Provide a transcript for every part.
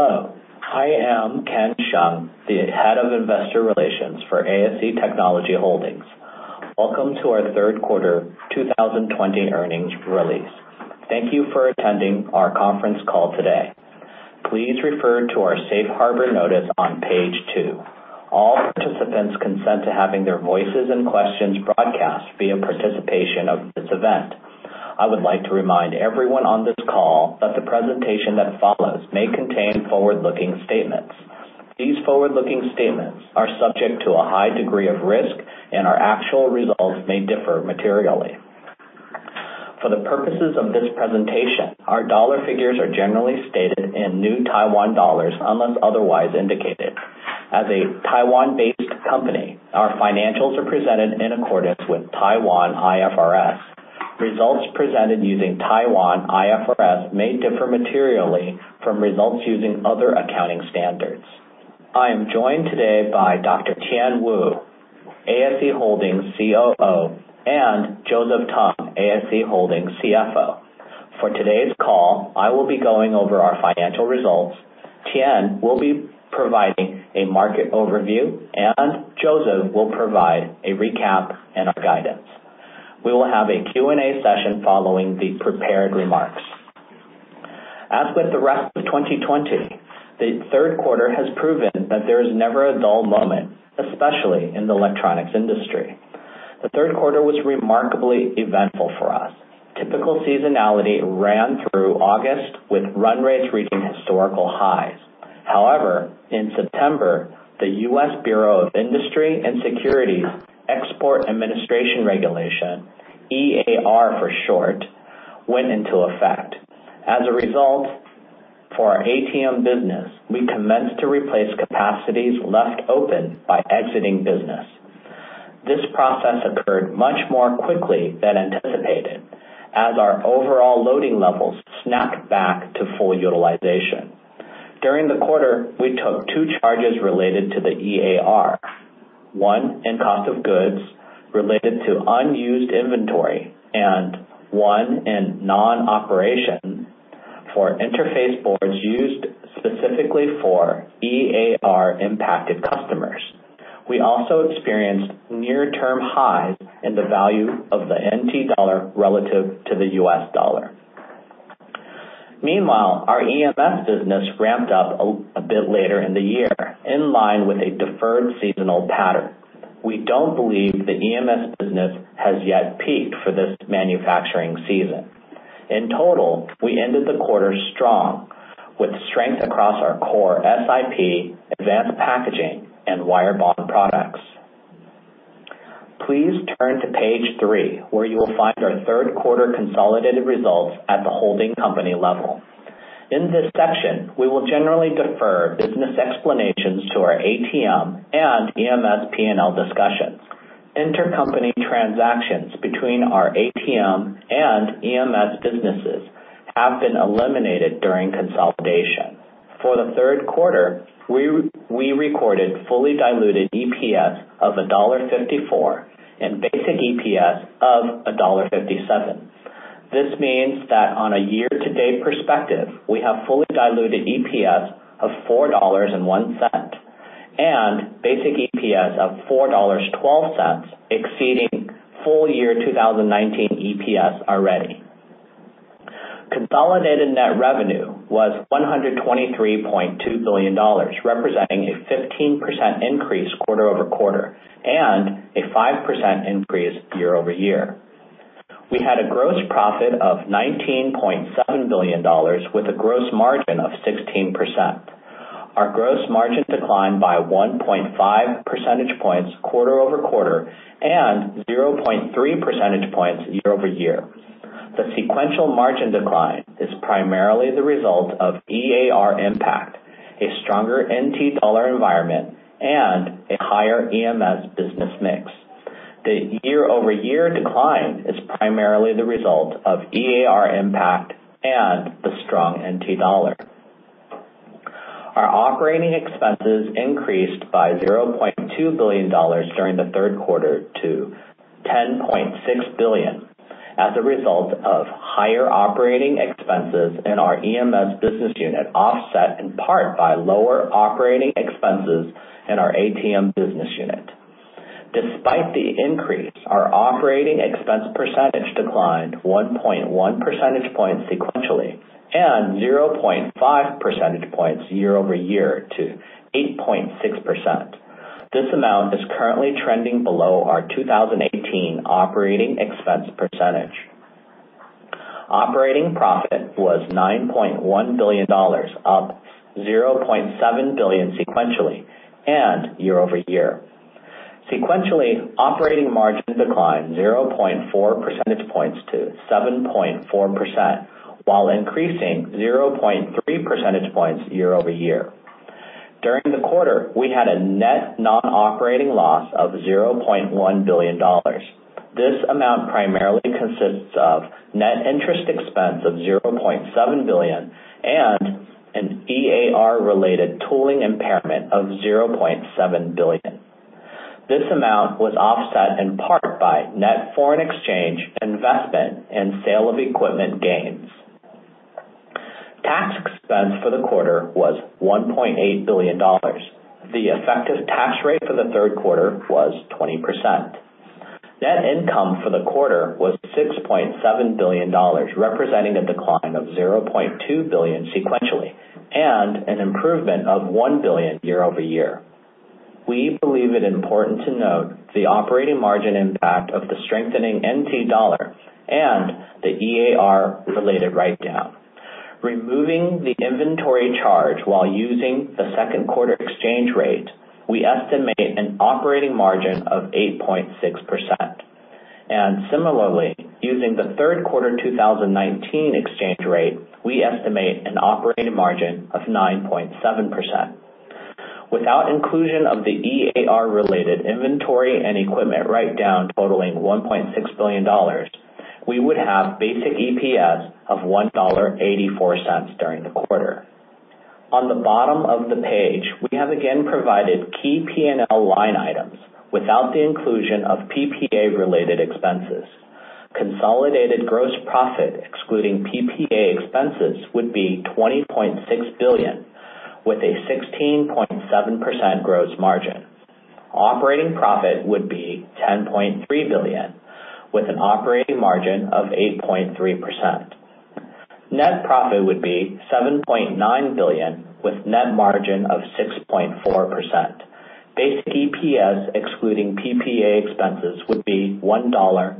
Hello. I am Ken Hsiang, the head of investor relations for ASE technology holding. Welcome to our third quarter 2020 earnings release. Thank you for attending our conference call today. Please refer to our Safe Harbor notice on page two. All participants consent to having their voices and questions broadcast via participation of this event. I would like to remind everyone on this call that the presentation that follows may contain forward-looking statements. These forward-looking statements are subject to a high degree of risk, and our actual results may differ materially. For the purposes of this presentation, our dollar figures are generally stated in new Taiwan dollars unless otherwise indicated. As a Taiwan-based company, our financials are presented in accordance with Taiwan IFRS. Results presented using Taiwan IFRS may differ materially from results using other accounting standards. I am joined today by Dr. Tien Wu, ASE Holdings COO, and Joseph Tung, ASE Holdings CFO. For today's call, I will be going over our financial results. Tien will be providing a market overview, and Joseph will provide a recap and our guidance. We will have a Q&A session following the prepared remarks. As with the rest of 2020, the third quarter has proven that there is never a dull moment, especially in the electronics industry. The third quarter was remarkably eventful for us. Typical seasonality ran through August with run rates reaching historical highs. However, in September, the US Bureau of Industry and Security Export Administration Regulations, EAR for short, went into effect. As a result, for our ATM business, we commenced to replace capacities left open by exiting business. This process occurred much more quickly than anticipated, as our overall loading levels snapped back to full utilization. During the quarter, we took two charges related to the EAR: one in cost of goods related to unused inventory, and one in non-operation for interface boards used specifically for EAR-impacted customers. We also experienced near-term highs in the value of the NT dollar relative to the US dollar. Meanwhile, our EMS business ramped up a bit later in the year in line with a deferred seasonal pattern. We don't believe the EMS business has yet peaked for this manufacturing season. In total, we ended the quarter strong, with strength across our core SiP, advanced packaging, and wire bond products. Please turn to page three, where you will find our third-quarter consolidated results at the holding company level. In this section, we will generally defer business explanations to our ATM and EMS P&L discussions. Intercompany transactions between our ATM and EMS businesses have been eliminated during consolidation. For the third quarter, we recorded fully diluted EPS of dollar 1.54 and basic EPS of dollar 1.57. This means that on a year-to-date perspective, we have fully diluted EPS of 4.01 dollars and basic EPS of 4.12 dollars exceeding full-year 2019 EPS already. Consolidated net revenue was 123.2 billion dollars, representing a 15% increase quarter-over-quarter and a 5% increase year-over-year. We had a gross profit of 19.7 billion dollars, with a gross margin of 16%. Our gross margin declined by 1.5 percentage points quarter-over-quarter and 0.3 percentage points year-over-year. The sequential margin decline is primarily the result of EAR impact, a stronger NT dollar environment, and a higher EMS business mix. The year-over-year decline is primarily the result of EAR impact and the strong NT dollar. Our operating expenses increased by 0.2 billion dollars during the third quarter to 10.6 billion as a result of higher operating expenses in our EMS business unit, offset in part by lower operating expenses in our ATM business unit. Despite the increase, our operating expense percentage declined 1.1 percentage points sequentially and 0.5 percentage points year-over-year to 8.6%. This amount is currently trending below our 2018 operating expense percentage. Operating profit was 9.1 billion dollars, up 0.7 billion sequentially and year-over-year. Sequentially, operating margin declined 0.4 percentage points to 7.4% while increasing 0.3 percentage points year-over-year. During the quarter, we had a net non-operating loss of 0.1 billion dollars. This amount primarily consists of net interest expense of 0.7 billion and an EAR-related tooling impairment of 0.7 billion. This amount was offset in part by net foreign exchange investment and sale of equipment gains. Tax expense for the quarter was 1.8 billion dollars. The effective tax rate for the third quarter was 20%. Net income for the quarter was 6.7 billion dollars, representing a decline of 0.2 billion sequentially and an improvement of 1 billion year-over-year. We believe it important to note the operating margin impact of the strengthening NT dollar and the EAR-related write-down. Removing the inventory charge while using the second-quarter exchange rate, we estimate an operating margin of 8.6%. And similarly, using the third-quarter 2019 exchange rate, we estimate an operating margin of 9.7%. Without inclusion of the EAR-related inventory and equipment write-down totaling 1.6 billion dollars, we would have basic EPS of 1.84 dollar during the quarter. On the bottom of the page, we have again provided key P&L line items without the inclusion of PPA-related expenses. Consolidated gross profit excluding PPA expenses would be 20.6 billion, with a 16.7% gross margin. Operating profit would be 10.3 billion, with an operating margin of 8.3%. Net profit would be 7.9 billion, with net margin of 6.4%. Basic EPS excluding PPA expenses would be 1.84 dollar.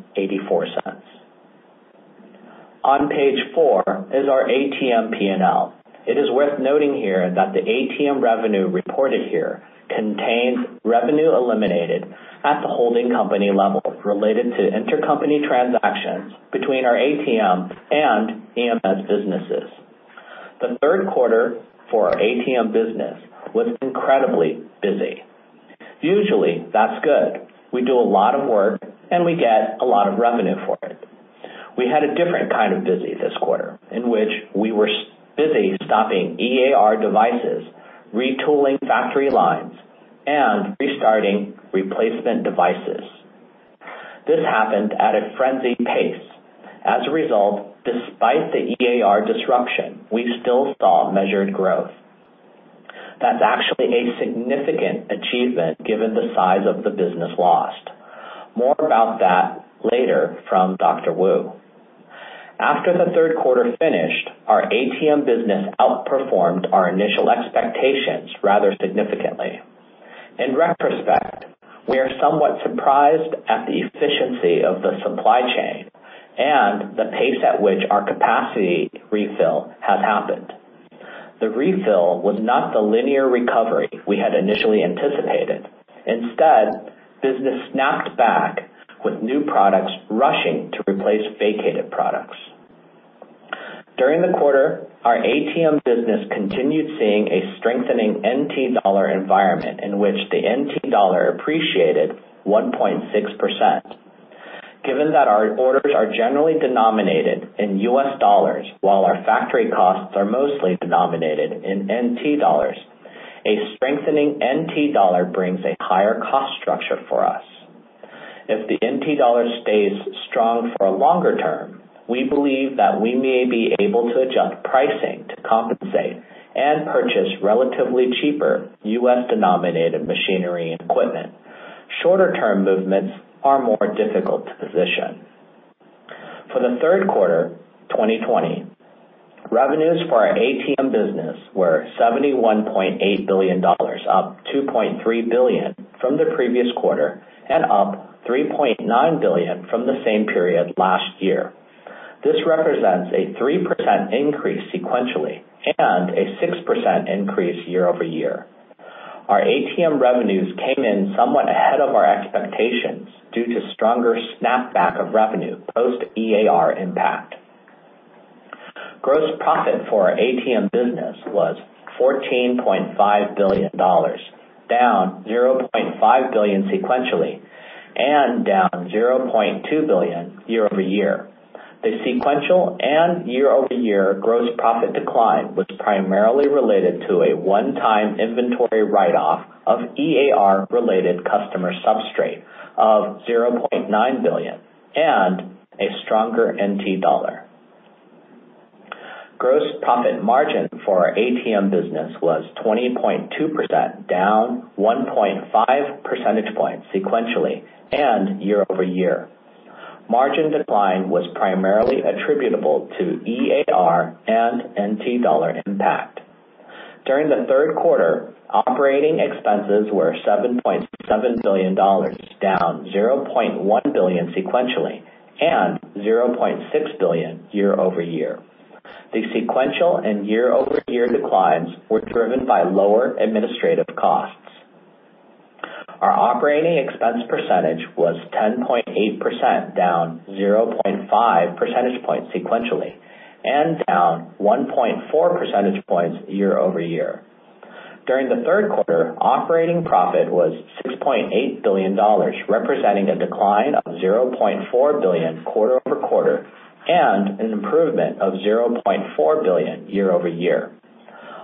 On page four is our ATM P&L. It is worth noting here that the ATM revenue reported here contains revenue eliminated at the holding company level related to intercompany transactions between our ATM and EMS businesses. The third quarter for our ATM business was incredibly busy. Usually, that's good. We do a lot of work, and we get a lot of revenue for it. We had a different kind of busy this quarter, in which we were busy stopping EAR devices, retooling factory lines, and restarting replacement devices. This happened at a frenzy pace. As a result, despite the EAR disruption, we still saw measured growth. That's actually a significant achievement given the size of the business lost. More about that later from Dr. Wu. After the third quarter finished, our ATM business outperformed our initial expectations rather significantly. In retrospect, we are somewhat surprised at the efficiency of the supply chain and the pace at which our capacity refill has happened. The refill was not the linear recovery we had initially anticipated. Instead, business snapped back, with new products rushing to replace vacated products. During the quarter, our ATM business continued seeing a strengthening NT dollar environment in which the NT dollar appreciated 1.6%. Given that our orders are generally denominated in U.S. dollars while our factory costs are mostly denominated in NT dollars, a strengthening NT dollar brings a higher cost structure for us. If the NT dollar stays strong for a longer term, we believe that we may be able to adjust pricing to compensate and purchase relatively cheaper U.S.-denominated machinery and equipment. Shorter-term movements are more difficult to position. For the third quarter 2020, revenues for our ATM business were 71.8 billion dollars, up 2.3 billion from the previous quarter and up 3.9 billion from the same period last year. This represents a 3% increase sequentially and a 6% increase year-over-year. Our ATM revenues came in somewhat ahead of our expectations due to stronger snapback of revenue post-EAR impact. Gross profit for our ATM business was 14.5 billion dollars, down 0.5 billion sequentially and down 0.2 billion year-over-year. The sequential and year-over-year gross profit decline was primarily related to a one-time inventory write-off of EAR-related customer substrate of 0.9 billion and a stronger NT dollar. Gross profit margin for our ATM business was 20.2%, down 1.5 percentage points sequentially and year-over-year. Margin decline was primarily attributable to EAR and NT dollar impact. During the third quarter, operating expenses were 7.7 billion dollars, down 0.1 billion sequentially and 0.6 billion year-over-year. The sequential and year-over-year declines were driven by lower administrative costs. Our operating expense percentage was 10.8%, down 0.5 percentage points sequentially and down 1.4 percentage points year-over-year. During the third quarter, operating profit was 6.8 billion dollars, representing a decline of 0.4 billion quarter-over-quarter and an improvement of 0.4 billion year-over-year.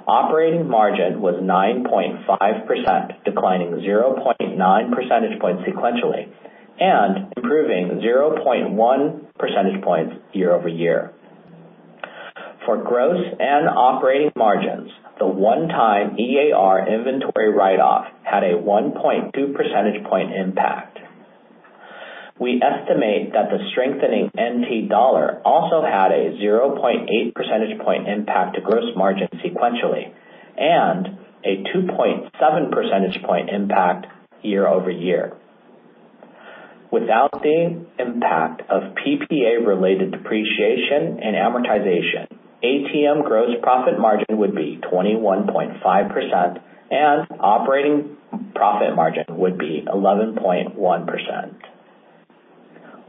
Operating margin was 9.5%, declining 0.9 percentage points sequentially and improving 0.1 percentage points year-over-year. For gross and operating margins, the one-time EAR inventory write-off had a 1.2 percentage point impact. We estimate that the strengthening NT dollar also had a 0.8 percentage point impact to gross margin sequentially and a 2.7 percentage point impact year-over-year. Without the impact of PPA-related depreciation and amortization, ATM gross profit margin would be 21.5% and operating profit margin would be 11.1%.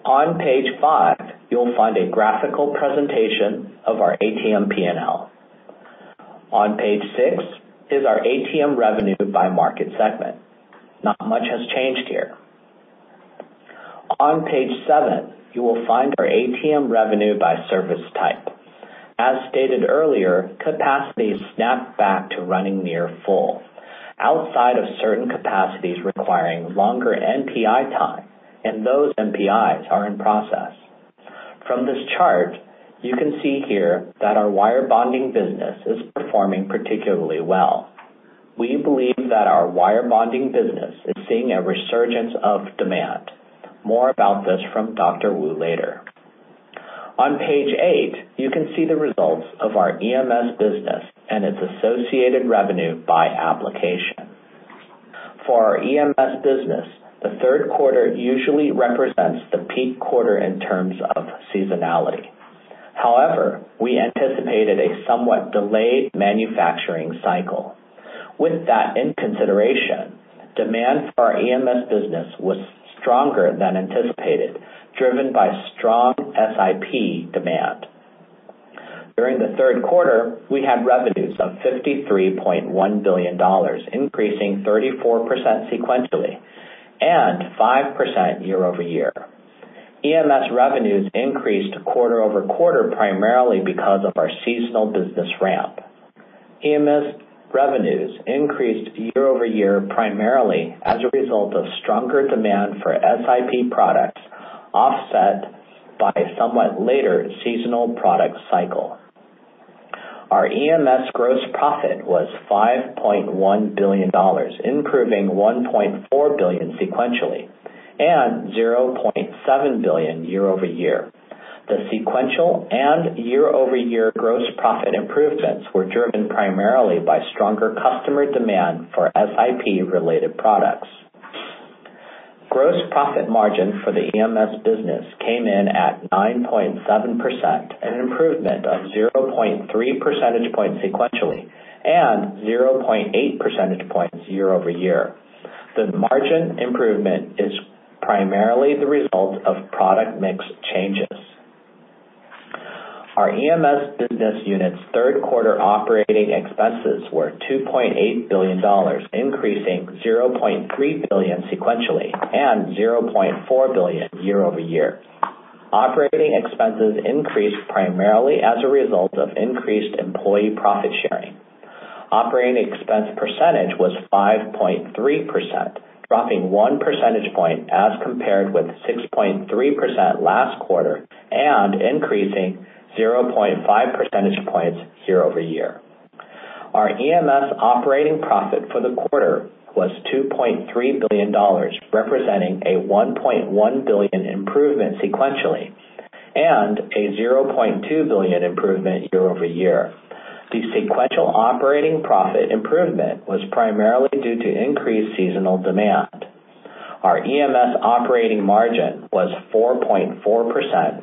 On page five, you'll find a graphical presentation of our ATM P&L. On page six is our ATM revenue by market segment. Not much has changed here. On page seven, you will find our ATM revenue by service type. As stated earlier, capacity snapped back to running near full outside of certain capacities requiring longer NPI time, and those NPIs are in process. From this chart, you can see here that our wire bonding business is performing particularly well. We believe that our wire bonding business is seeing a resurgence of demand. More about this from Dr. Wu later. On page eight, you can see the results of our EMS business and its associated revenue by application. For our EMS business, the third quarter usually represents the peak quarter in terms of seasonality. However, we anticipated a somewhat delayed manufacturing cycle. With that in consideration, demand for our EMS business was stronger than anticipated, driven by strong SiP demand. During the third quarter, we had revenues of 53.1 billion dollars, increasing 34% sequentially and 5% year-over-year. EMS revenues increased quarter-over-quarter primarily because of our seasonal business ramp. EMS revenues increased year-over-year primarily as a result of stronger demand for SiP products offset by a somewhat later seasonal product cycle. Our EMS gross profit was 5.1 billion dollars, improving 1.4 billion sequentially and 0.7 billion year-over-year. The sequential and year-over-year gross profit improvements were driven primarily by stronger customer demand for SiP-related products. Gross profit margin for the EMS business came in at 9.7%, an improvement of 0.3 percentage points sequentially and 0.8 percentage points year-over-year. The margin improvement is primarily the result of product mix changes. Our EMS business unit's third quarter operating expenses were 2.8 billion dollars, increasing 0.3 billion sequentially and 0.4 billion year-over-year. Operating expenses increased primarily as a result of increased employee profit sharing. Operating expense percentage was 5.3%, dropping one percentage point as compared with 6.3% last quarter and increasing 0.5 percentage points year-over-year. Our EMS operating profit for the quarter was 2.3 billion dollars, representing a 1.1 billion improvement sequentially and a 0.2 billion improvement year-over-year. The sequential operating profit improvement was primarily due to increased seasonal demand. Our EMS operating margin was 4.4%,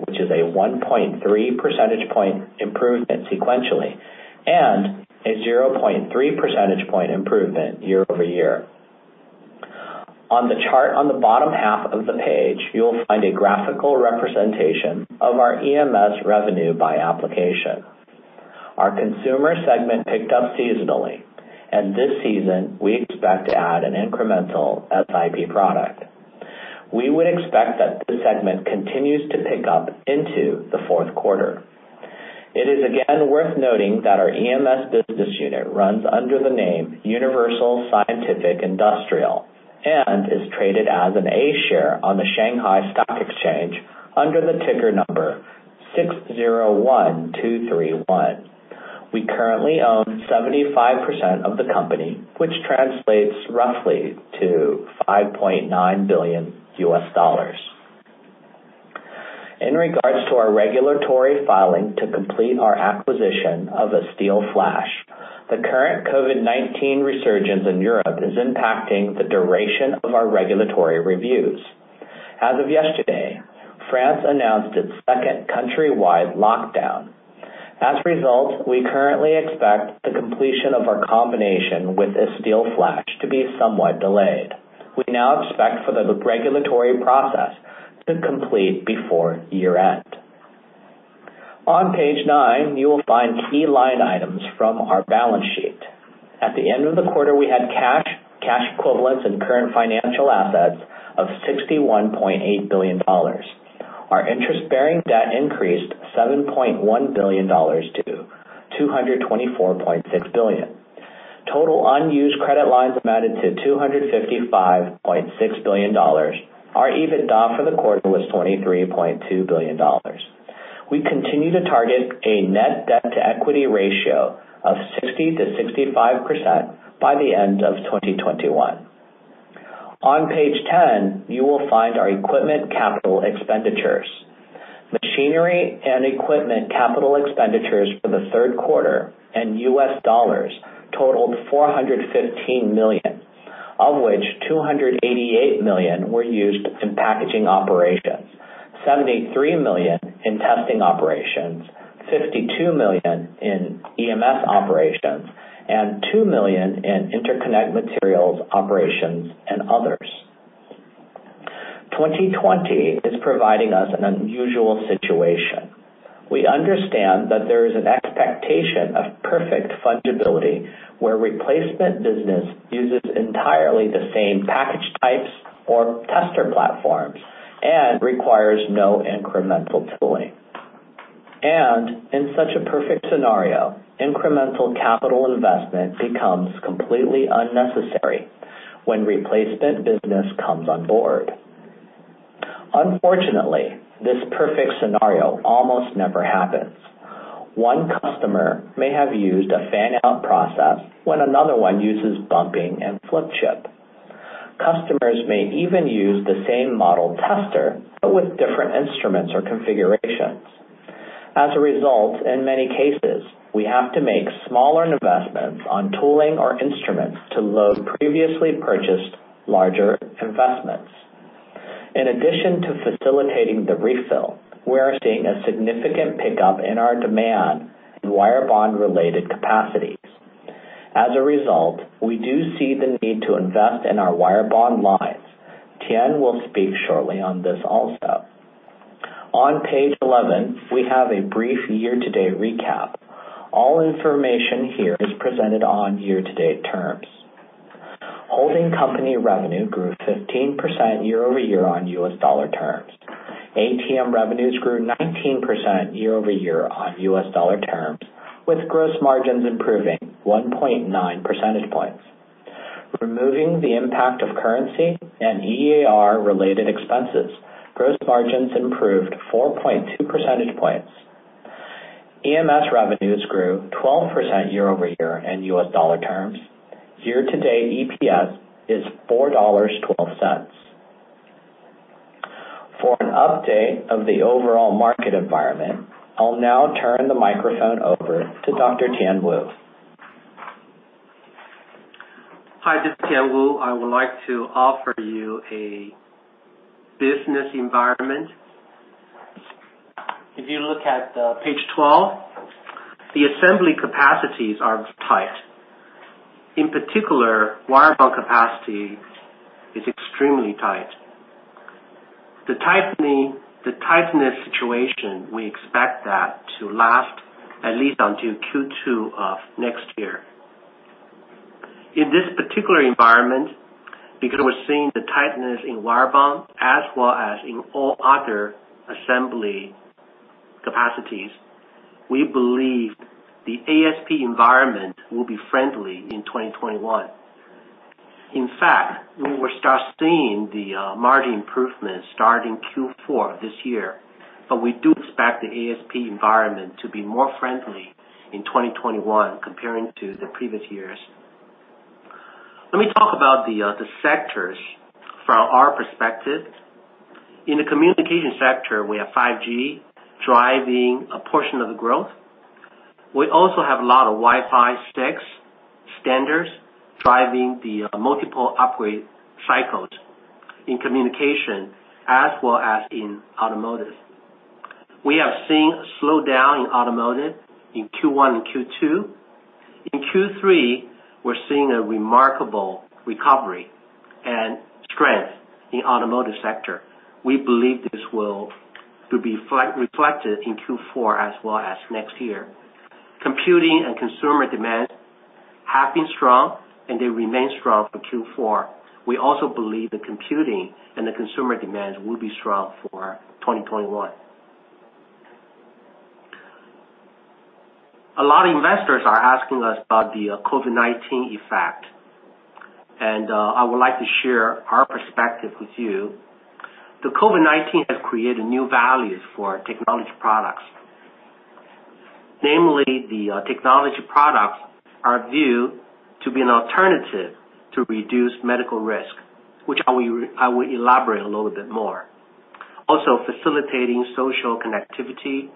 which is a 1.3 percentage point improvement sequentially and a 0.3 percentage point improvement year over year. On the chart on the bottom half of the page, you'll find a graphical representation of our EMS revenue by application. Our consumer segment picked up seasonally, and this season we expect to add an incremental SiP product. We would expect that this segment continues to pick up into the fourth quarter. It is again worth noting that our EMS business unit runs under the name Universal Scientific Industrial and is traded as an A-share on the Shanghai Stock Exchange under the ticker number 601231. We currently own 75% of the company, which translates roughly to TWD 5.9 billion. In regards to our regulatory filing to complete our acquisition of Asteelflash, the current COVID-19 resurgence in Europe is impacting the duration of our regulatory reviews. As of yesterday, France announced its second countrywide lockdown. As a result, we currently expect the completion of our combination with Asteelflash to be somewhat delayed. We now expect for the regulatory process to complete before year-end. On page nine, you will find key line items from our balance sheet. At the end of the quarter, we had cash, cash equivalents, and current financial assets of 61.8 billion dollars. Our interest-bearing debt increased 7.1 billion dollars to 224.6 billion. Total unused credit lines amounted to 255.6 billion dollars. Our EBITDA for the quarter was 23.2 billion dollars. We continue to target a net debt-to-equity ratio of 60%-65% by the end of 2021. On page 10, you will find our equipment capital expenditures. Machinery and equipment capital expenditures for the third quarter in US dollars totaled 415 million, of which 288 million were used in packaging operations, 73 million in testing operations, 52 million in EMS operations, and 2 million in interconnect materials operations and others. 2020 is providing us an unusual situation. We understand that there is an expectation of perfect fungibility where replacement business uses entirely the same package types or tester platforms and requires no incremental tooling. In such a perfect scenario, incremental capital investment becomes completely unnecessary when replacement business comes on board. Unfortunately, this perfect scenario almost never happens. One customer may have used a fan-out process when another one uses bumping and flip chip. Customers may even use the same model tester but with different instruments or configurations. As a result, in many cases, we have to make smaller investments on tooling or instruments to load previously purchased larger investments. In addition to facilitating the refill, we are seeing a significant pickup in our demand in wire bond-related capacities. As a result, we do see the need to invest in our wire bond lines. Tien will speak shortly on this also. On page 11, we have a brief year-to-date recap. All information here is presented on year-to-date terms. Holding company revenue grew 15% year-over-year on U.S. dollar terms. ATM revenues grew 19% year-over-year on U.S. dollar terms, with gross margins improving 1.9 percentage points. Removing the impact of currency and EAR-related expenses, gross margins improved 4.2 percentage points. EMS revenues grew 12% year-over-year in U.S. dollar terms. Year-to-date EPS is 4.12 dollars. For an update of the overall market environment, I'll now turn the microphone over to Dr. Tien Wu. Hi, this is Tien Wu. I would like to offer you a business environment. If you look at page 12, the assembly capacities are tight. In particular, wire bond capacity is extremely tight. The tightness situation, we expect that to last at least until Q2 of next year. In this particular environment, because we're seeing the tightness in wire bond as well as in all other assembly capacities, we believe the ASP environment will be friendly in 2021. In fact, we will start seeing the margin improvements starting Q4 this year, but we do expect the ASP environment to be more friendly in 2021 comparing to the previous years. Let me talk about the sectors from our perspective. In the communication sector, we have 5G driving a portion of the growth. We also have a lot of Wi-Fi 6 standards driving the multiple upgrade cycles in communication as well as in automotive. We have seen a slowdown in automotive in Q1 and Q2. In Q3, we're seeing a remarkable recovery and strength in the automotive sector. We believe this will be reflected in Q4 as well as next year. Computing and consumer demands have been strong, and they remain strong for Q4. We also believe the computing and the consumer demands will be strong for 2021. A lot of investors are asking us about the COVID-19 effect, and I would like to share our perspective with you. The COVID-19 has created new values for technology products. Namely, the technology products are viewed to be an alternative to reduce medical risk, which I will elaborate a little bit more. Also, facilitating social connectivity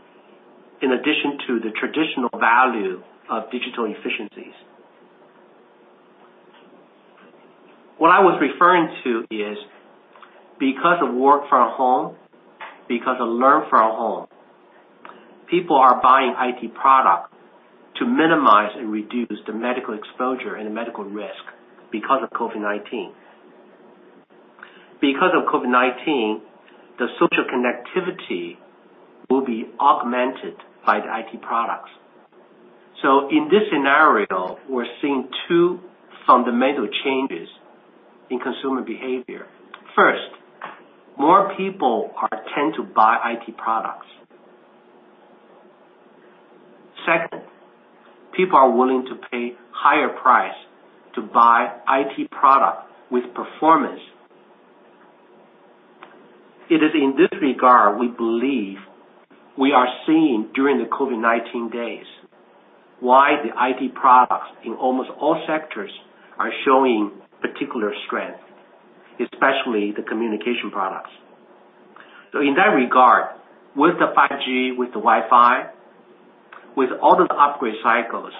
in addition to the traditional value of digital efficiencies. What I was referring to is because of work from home, because of learn from home, people are buying IT products to minimize and reduce the medical exposure and the medical risk because of COVID-19. Because of COVID-19, the social connectivity will be augmented by the IT products. So in this scenario, we're seeing two fundamental changes in consumer behavior. First, more people tend to buy IT products. Second, people are willing to pay a higher price to buy IT products with performance. It is in this regard we believe we are seeing during the COVID-19 days why the IT products in almost all sectors are showing particular strength, especially the communication products. So in that regard, with the 5G, with the Wi-Fi, with all of the upgrade cycles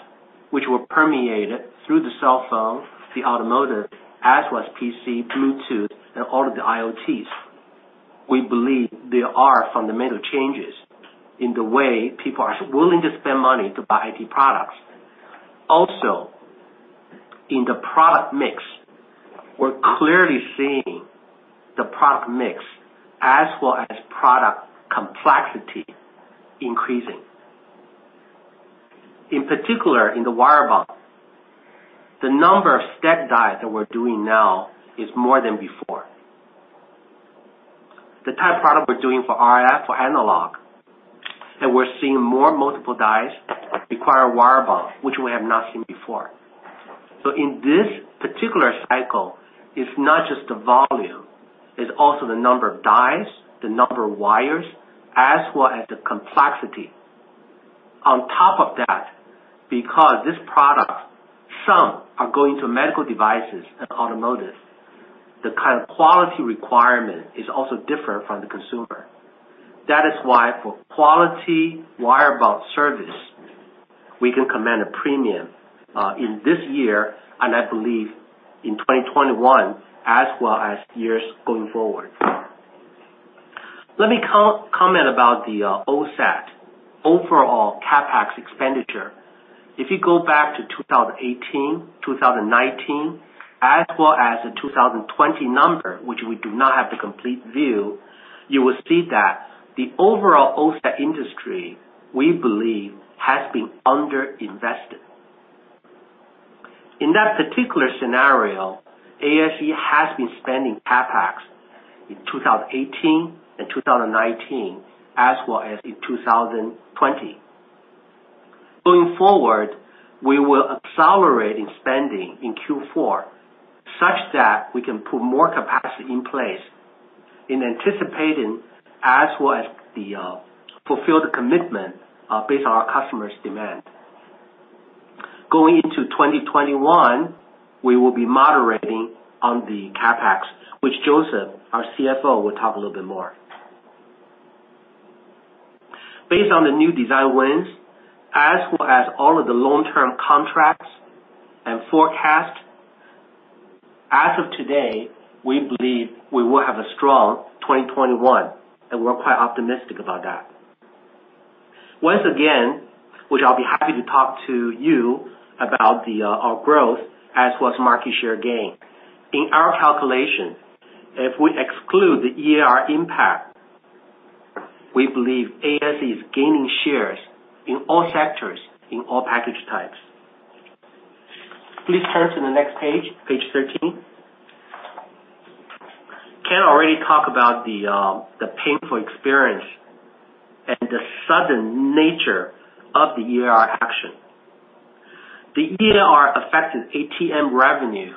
which were permeated through the cell phone, the automotive as well as PC, Bluetooth, and all of the IoTs, we believe there are fundamental changes in the way people are willing to spend money to buy IT products. Also, in the product mix, we're clearly seeing the product mix as well as product complexity increasing. In particular, in the wire bond, the number of stacked dies that we're doing now is more than before. The type of product we're doing for RF, for analog, that we're seeing more multiple dies require wire bond, which we have not seen before. So in this particular cycle, it's not just the volume. It's also the number of dies, the number of wires, as well as the complexity. On top of that, because some are going to medical devices and automotive, the kind of quality requirement is also different from the consumer. That is why for quality wire bond service, we can command a premium in this year and I believe in 2021 as well as years going forward. Let me comment about the OSAT, overall CapEx expenditure. If you go back to 2018, 2019, as well as the 2020 number, which we do not have the complete view, you will see that the overall OSAT industry, we believe, has been underinvested. In that particular scenario, ASE has been spending CapEx in 2018 and 2019 as well as in 2020. Going forward, we will accelerate in spending in Q4 such that we can put more capacity in place in anticipating as well as the fulfilled commitment based on our customers' demand. Going into 2021, we will be moderating on the CapEx, which Joseph, our CFO, will talk a little bit more. Based on the new design wins as well as all of the long-term contracts and forecasts, as of today, we believe we will have a strong 2021, and we're quite optimistic about that. Once again, which I'll be happy to talk to you about our growth as well as market share gain, in our calculation, if we exclude the EAR impact, we believe ASE is gaining shares in all sectors, in all package types. Please turn to the next page, page 13. Ken already talked about the painful experience and the sudden nature of the EAR action. The EAR affected ATM revenue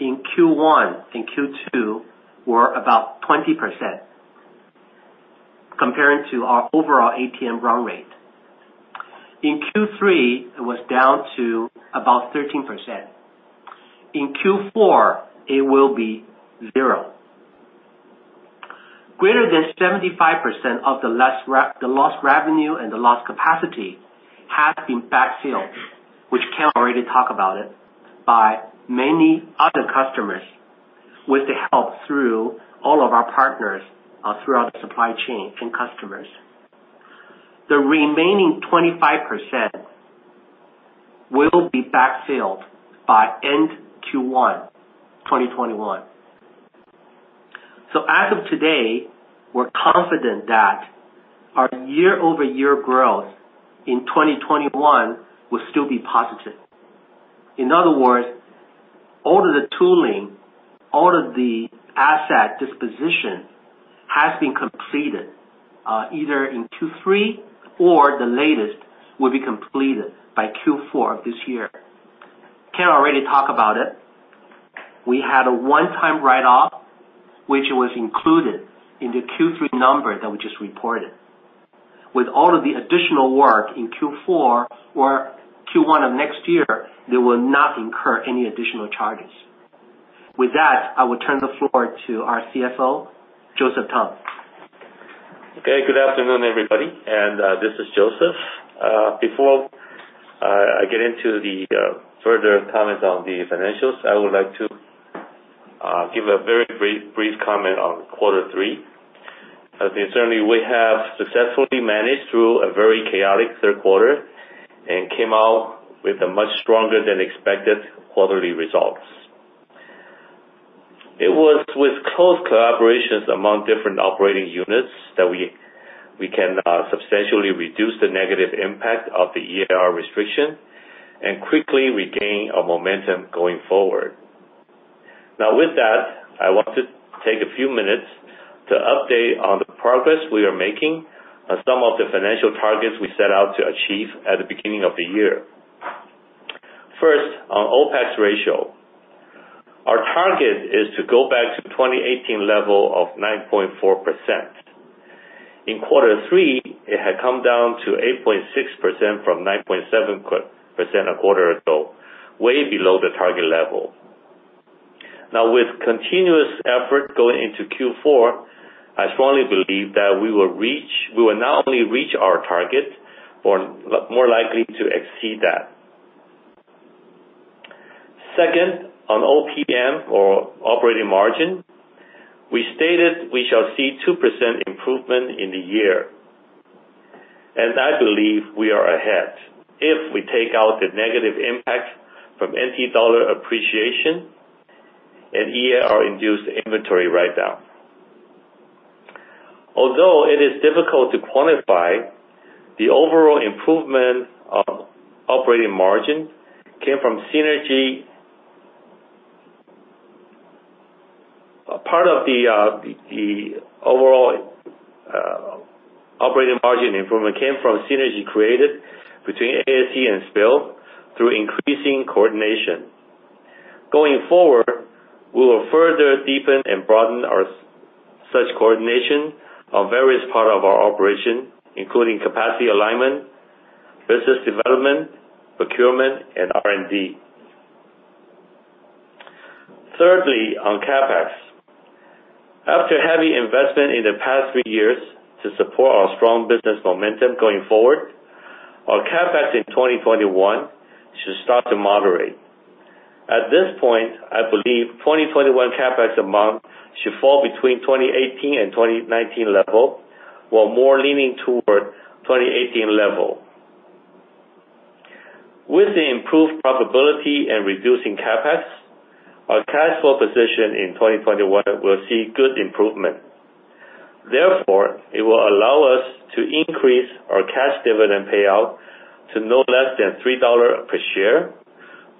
in Q1 and Q2, were about 20% comparing to our overall ATM run rate. In Q3, it was down to about 13%. In Q4, it will be zero. Greater than 75% of the lost revenue and the lost capacity has been backfilled, which Ken already talked about it, by many other customers with the help through all of our partners throughout the supply chain and customers. The remaining 25% will be backfilled by end Q1, 2021. So as of today, we're confident that our year-over-year growth in 2021 will still be positive. In other words, all of the tooling, all of the asset disposition has been completed either in Q3 or the latest will be completed by Q4 of this year. Ken already talked about it. We had a one-time write-off, which was included in the Q3 number that we just reported. With all of the additional work in Q4 or Q1 of next year, there will not incur any additional charges. With that, I will turn the floor to our CFO, Joseph Tung. Okay. Good afternoon, everybody. This is Joseph. Before I get into the further comments on the financials, I would like to give a very brief comment on quarter three. Certainly, we have successfully managed through a very chaotic third quarter and came out with much stronger than expected quarterly results. It was with close collaborations among different operating units that we can substantially reduce the negative impact of the EAR restriction and quickly regain our momentum going forward. Now, with that, I want to take a few minutes to update on the progress we are making on some of the financial targets we set out to achieve at the beginning of the year. First, on OpEx ratio, our target is to go back to 2018 level of 9.4%. In quarter three, it had come down to 8.6% from 9.7% a quarter ago, way below the target level. Now, with continuous effort going into Q4, I strongly believe that we will not only reach our target but are more likely to exceed that. Second, on OPM or operating margin, we stated we shall see 2% improvement in the year. I believe we are ahead if we take out the negative impact from NT dollar appreciation and EAR-induced inventory write-down. Although it is difficult to quantify, the overall improvement of operating margin came from synergy. Part of the overall operating margin improvement came from synergy created between ASE and SPIL through increasing coordination. Going forward, we will further deepen and broaden such coordination on various parts of our operation, including capacity alignment, business development, procurement, and R&D. Thirdly, on CapEx, after heavy investment in the past three years to support our strong business momentum going forward, our CapEx in 2021 should start to moderate. At this point, I believe 2021 CapEx amount should fall between 2018 and 2019 level while more leaning toward 2018 level. With the improved profitability and reducing CapEx, our cash flow position in 2021 will see good improvement. Therefore, it will allow us to increase our cash dividend payout to no less than 3 dollars per share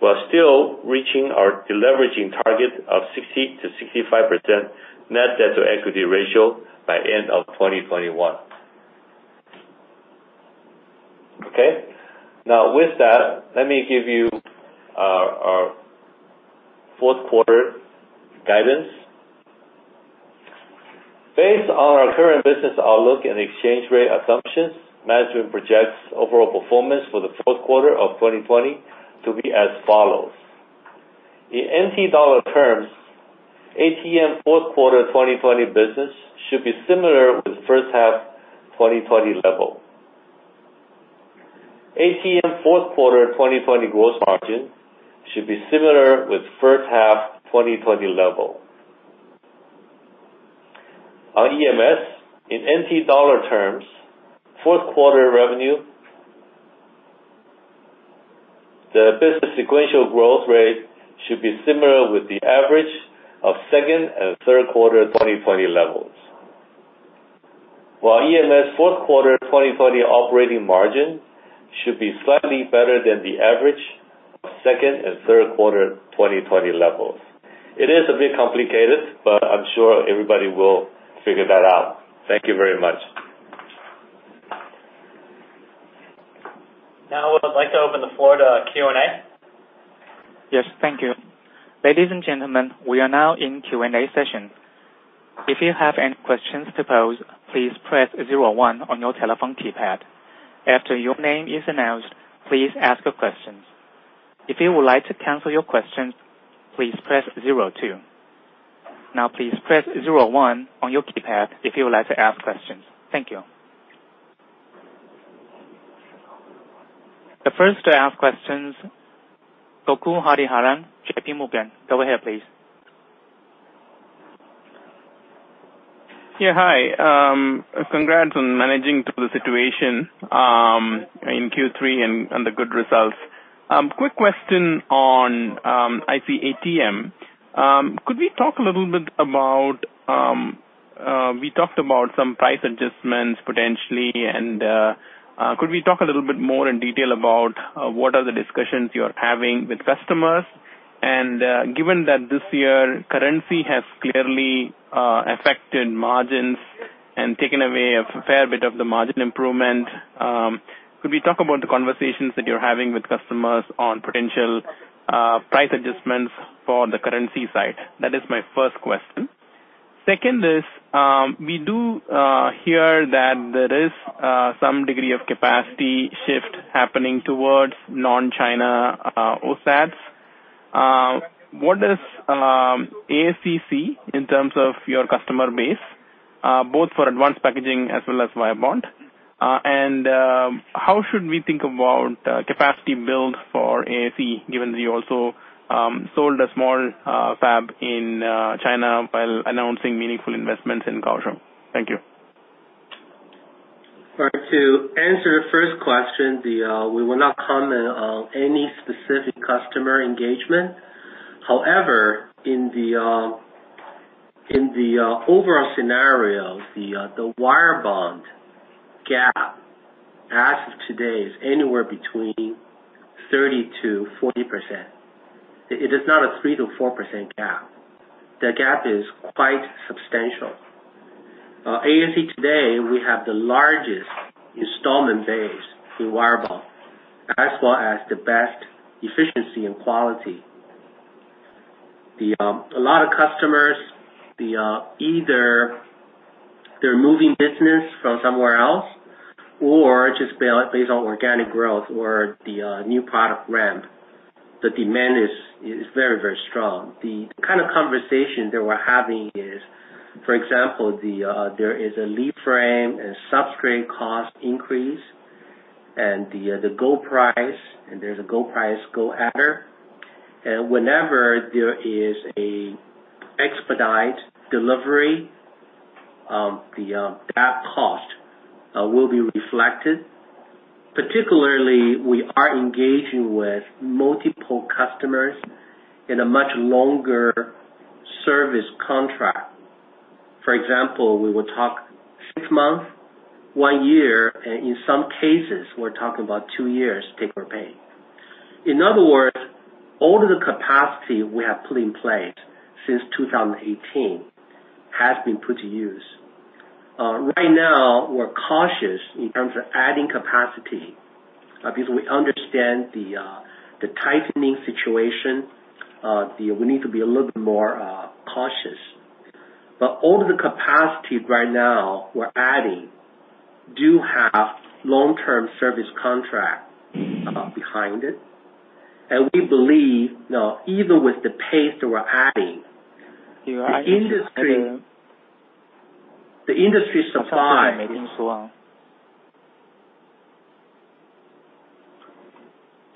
while still reaching our leveraging target of 60%-65% net debt to equity ratio by end of 2021. Okay. Now, with that, let me give you our fourth quarter guidance. Based on our current business outlook and exchange rate assumptions, management projects overall performance for the fourth quarter of 2020 to be as follows. In NT dollar terms, ATM fourth quarter 2020 business should be similar with first half 2020 level. ATM fourth quarter 2020 gross margin should be similar with first half 2020 level. On EMS, in NT dollar terms, fourth quarter revenue, the business sequential growth rate should be similar with the average of second and third quarter 2020 levels. While EMS fourth quarter 2020 operating margin should be slightly better than the average of second and third quarter 2020 levels. It is a bit complicated, but I'm sure everybody will figure that out. Thank you very much. Now, I would like to open the floor to Q&A. Yes. Thank you. Ladies and gentlemen, we are now in Q&A session. If you have any questions to pose, please press zero one on your telephone keypad. After your name is announced, please ask your questions. If you would like to cancel your questions, please press zero one. Now, please press zero one on your keypad if you would like to ask questions. Thank you. The first to ask questions, Gokul Hariharan, JPMorgan. Go ahead, please. Yeah. Hi. Congrats on managing through the situation in Q3 and the good results. Quick question on IC ATM. Could we talk a little bit about we talked about some price adjustments potentially, and could we talk a little bit more in detail about what are the discussions you are having with customers? And given that this year, currency has clearly affected margins and taken away a fair bit of the margin improvement, could we talk about the conversations that you're having with customers on potential price adjustments for the currency side? That is my first question. Second is we do hear that there is some degree of capacity shift happening towards non-China OSATs. What does ASE see in terms of your customer base, both for advanced packaging as well as wire bond? How should we think about capacity build for ASE given that you also sold a small fab in China while announcing meaningful investments in Kaohsiung? Thank you. All right. To answer the first question, we will not comment on any specific customer engagement. However, in the overall scenario, the wire bond gap as of today is anywhere between 30%-40%. It is not a 3%-4% gap. The gap is quite substantial. ASE today, we have the largest installed base in wire bond as well as the best efficiency and quality. A lot of customers, either they're moving business from somewhere else or just based on organic growth or the new product ramp, the demand is very, very strong. The kind of conversation that we're having is, for example, there is a lead frame and substrate cost increase and the gold price, and there's a gold price, gold adder. And whenever there is an expedite delivery, that cost will be reflected. Particularly, we are engaging with multiple customers in a much longer service contract. For example, we would talk six months, one year, and in some cases, we're talking about two years take-or-pay. In other words, all of the capacity we have put in place since 2018 has been put to use. Right now, we're cautious in terms of adding capacity because we understand the tightening situation. We need to be a little bit more cautious. But all of the capacity right now we're adding do have long-term service contract behind it. And we believe now, even with the pace that we're adding, the industry supply.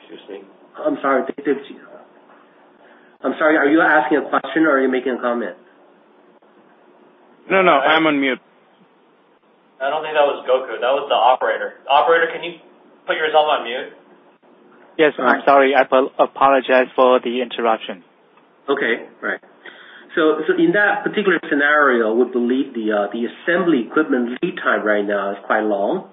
Excuse me. I'm sorry. I'm sorry. Are you asking a question or are you making a comment? No, no. I'm on mute. I don't think that was Gokul. That was the operator. Operator, can you put yourself on mute? Yes. I'm sorry. I apologize for the interruption. Okay. Right. So in that particular scenario, we believe the assembly equipment lead time right now is quite long.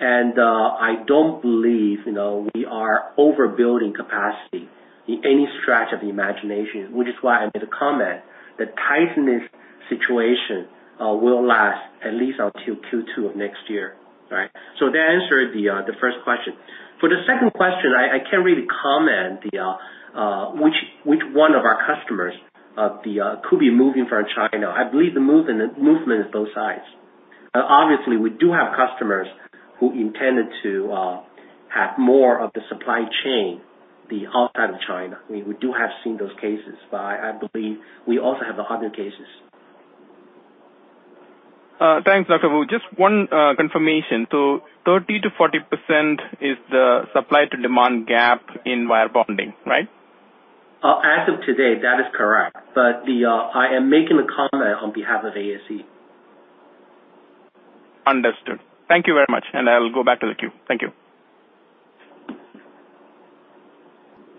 And I don't believe we are overbuilding capacity in any stretch of the imagination, which is why I made a comment that tightness situation will last at least until Q2 of next year. All right? So that answered the first question. For the second question, I can't really comment which one of our customers could be moving from China. I believe the movement is both sides. Obviously, we do have customers who intended to have more of the supply chain outside of China. We do have seen those cases. But I believe we also have other cases. Thanks, Dr. Wu. Just one confirmation. So 30%-40% is the supply-to-demand gap in wire bonding, right? As of today, that is correct. But I am making a comment on behalf of ASE. Understood. Thank you very much. And I'll go back to the queue. Thank you.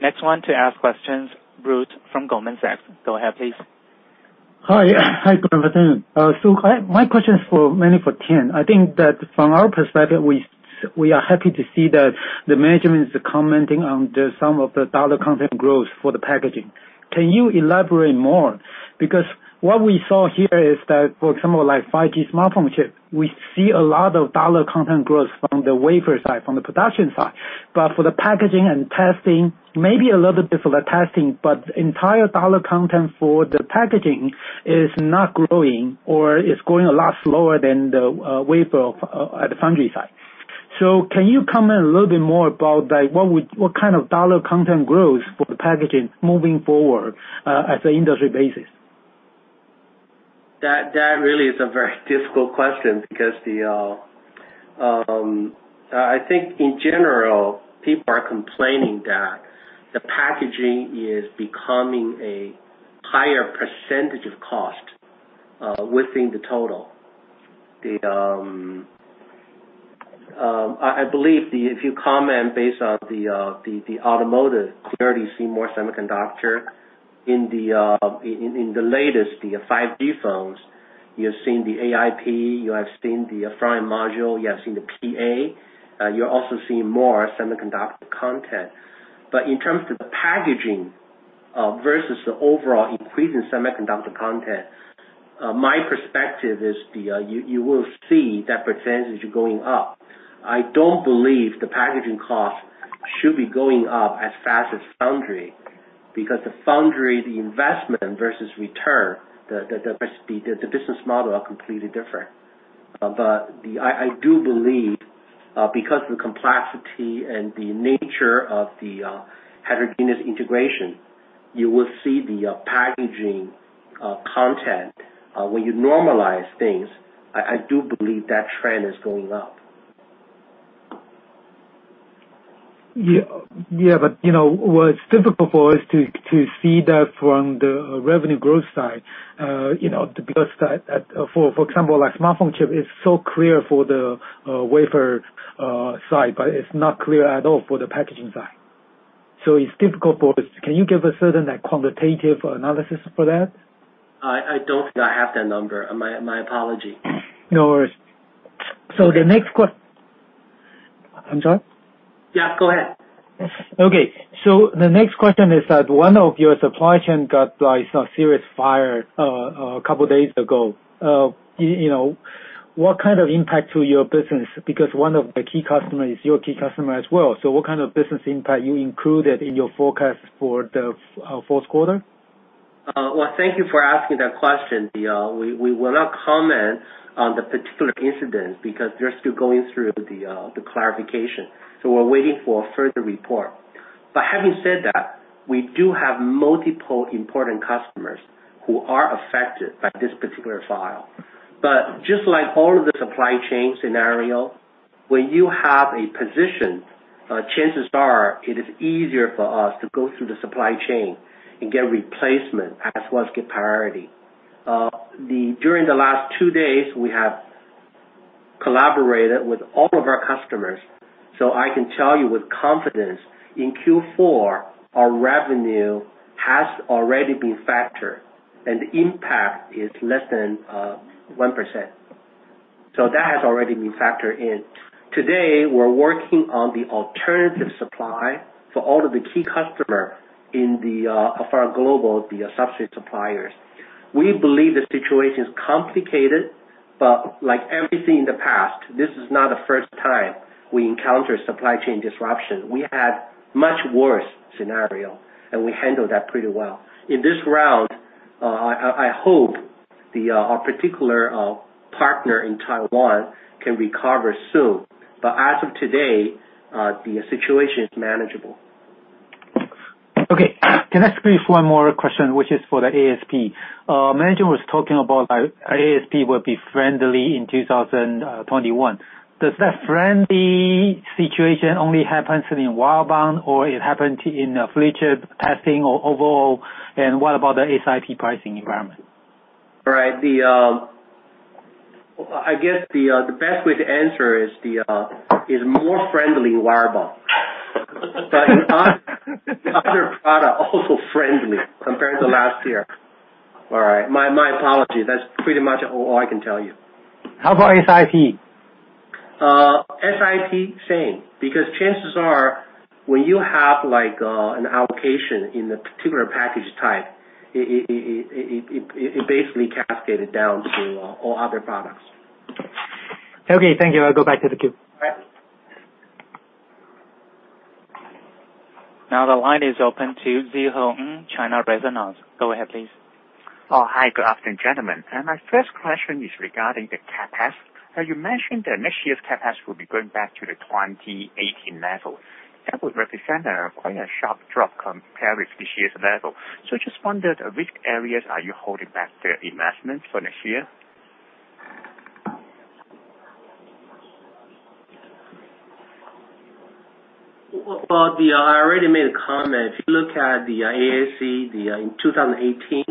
Next one to ask questions, Bruce Lu from Goldman Sachs. Go ahead, please. Hi. Hi, Prof. Tien. So my question is mainly for Tien. I think that from our perspective, we are happy to see that the management is commenting on some of the dollar content growth for the packaging. Can you elaborate more? Because what we saw here is that, for example, 5G smartphone chip, we see a lot of dollar content growth from the wafer side, from the production side. But for the packaging and testing, maybe a little bit for the testing, but the entire dollar content for the packaging is not growing or is growing a lot slower than the wafer at the foundry side. So can you comment a little bit more about what kind of dollar content growth for the packaging moving forward as an industry basis? That really is a very difficult question because I think, in general, people are complaining that the packaging is becoming a higher percentage of cost within the total. I believe if you comment based on the automotive, clearly see more semiconductor. In the latest, the 5G phones, you've seen the AiP. You have seen the front module. You have seen the PA. You're also seeing more semiconductor content. But in terms of the packaging versus the overall increasing semiconductor content, my perspective is you will see that percentage going up. I don't believe the packaging cost should be going up as fast as foundry because the foundry, the investment versus return, the business model are completely different. But I do believe because of the complexity and the nature of the heterogeneous integration, you will see the packaging content. When you normalize things, I do believe that trend is going up. Yeah. But what's difficult for us to see that from the revenue growth side because, for example, a smartphone chip is so clear for the wafer side, but it's not clear at all for the packaging side. So it's difficult for us to can you give us certain quantitative analysis for that? I don't think I have that number. My apology. No worries. So the next question—I'm sorry? Yeah. Go ahead. Okay. So the next question is that one of your supply chains got a serious fire a couple of days ago. What kind of impact to your business? Because one of the key customers is your key customer as well. So what kind of business impact you included in your forecast for the fourth quarter? Well, thank you for asking that question. We will not comment on the particular incident because they're still going through the clarification. So we're waiting for further report. But having said that, we do have multiple important customers who are affected by this particular fire. But just like all of the supply chain scenario, when you have a position, chances are it is easier for us to go through the supply chain and get replacement as well as get priority. During the last two days, we have collaborated with all of our customers. So I can tell you with confidence, in Q4, our revenue has already been factored, and the impact is less than 1%. So that has already been factored in. Today, we're working on the alternative supply for all of the key customers in our global, the substrate suppliers. We believe the situation is complicated. But like everything in the past, this is not the first time we encounter supply chain disruption. We had a much worse scenario, and we handled that pretty well. In this round, I hope our particular partner in Taiwan can recover soon. But as of today, the situation is manageable. Okay. Can I ask you one more question, which is for the ASP? Management was talking about ASP will be friendly in 2021. Does that friendly situation only happen in wire bond or it happened in flip chip testing or overall? And what about the SiP pricing environment? All right. I guess the best way to answer is more friendly in wire bond. But the other product is also friendly compared to last year. All right. My apologies. That's pretty much all I can tell you. How about SiP? SiP, same. Because chances are when you have an allocation in a particular package type, it basically cascades down to all other products. Okay. Thank you. I'll go back to the queue. All right. Now, the line is open to Szeho Ng, China Renaissance. Go ahead, please. Hi. Good afternoon, gentlemen. My first question is regarding the CapEx. You mentioned that next year's CapEx will be going back to the 2018 level. That would represent quite a sharp drop compared with this year's level. So I just wondered, which areas are you holding back the investments for next year? Well, I already made a comment. If you look at the ASE in 2018,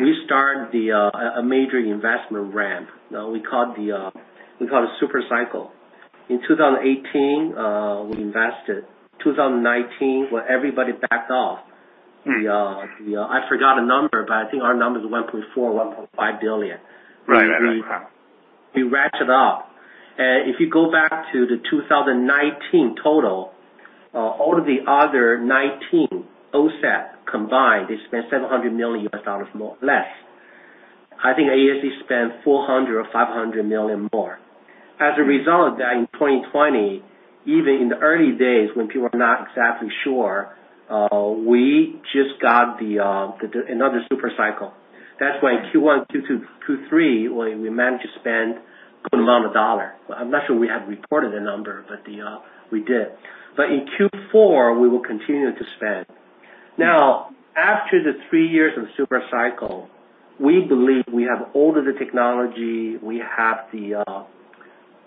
we started a major investment ramp. We called it a super cycle. In 2018, we invested. 2019, when everybody backed off, I forgot the number, but I think our number is 1.4 billion-1.5 billion. We ratchet up. And if you go back to the 2019 total, all of the other 19 OSAT combined, they spent TWD 700 million less. I think ASE spent 400 million or 500 million more. As a result of that, in 2020, even in the early days when people were not exactly sure, we just got another super cycle. That's why in Q1, Q2, Q3, we managed to spend a good amount of dollar. I'm not sure we have reported the number, but we did. In Q4, we will continue to spend. Now, after the three years of the super cycle, we believe we have all of the technology. We have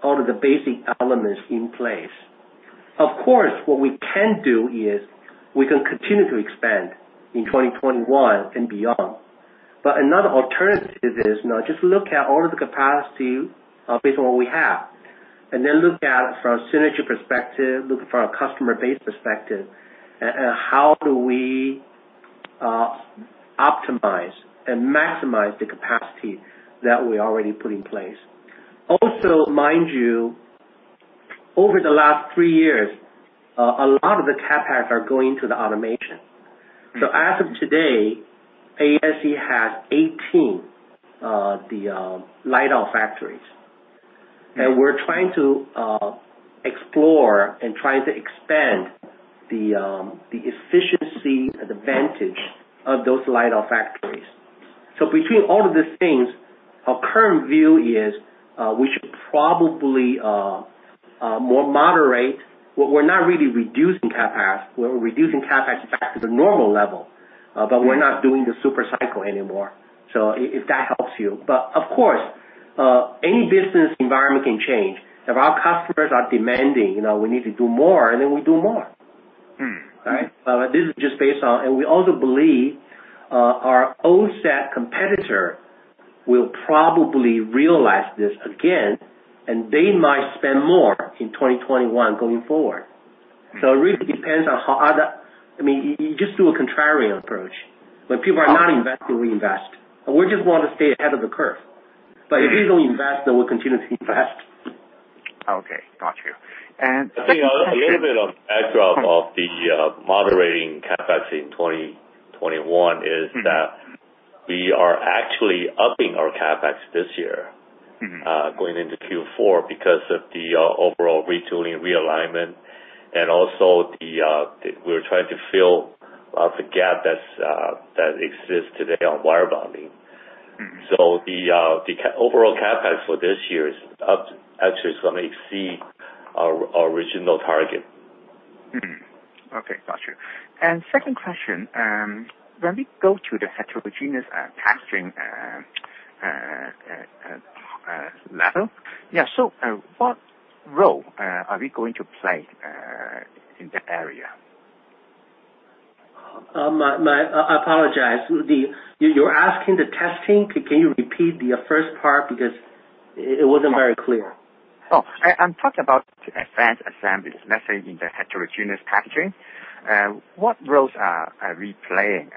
all of the basic elements in place. Of course, what we can do is we can continue to expand in 2021 and beyond. But another alternative is just look at all of the capacity based on what we have and then look at it from a synergy perspective, look from a customer-based perspective, and how do we optimize and maximize the capacity that we already put in place. Also, mind you, over the last three years, a lot of the CapEx are going to the automation. So as of today, ASE has 18 lights-out factories. And we're trying to explore and trying to expand the efficiency advantage of those lights-out factories. So between all of these things, our current view is we should probably more moderate. We're not really reducing CapEx. We're reducing CapEx back to the normal level, but we're not doing the super cycle anymore, if that helps you. But of course, any business environment can change. If our customers are demanding, "We need to do more," then we do more. All right? But this is just based on and we also believe our OSAT competitor will probably realize this again, and they might spend more in 2021 going forward. So it really depends on how other. I mean, you just do a contrarian approach. When people are not investing, we invest. And we just want to stay ahead of the curve. But if we don't invest, then we'll continue to invest. Okay. Got you. And. A little bit of backdrop of the moderating CapEx in 2021 is that we are actually upping our CapEx this year, going into Q4 because of the overall retooling, realignment, and also we're trying to fill the gap that exists today on wire bonding. So the overall CapEx for this year is actually going to exceed our original target. Okay. Got you. And second question, when we go to the heterogeneous testing level. Yeah. So what role are we going to play in that area? I apologize. You're asking the testing. Can you repeat the first part because it wasn't very clear? Oh. I'm talking about advanced assembly. It's necessary in the heterogeneous packaging. What roles are we playing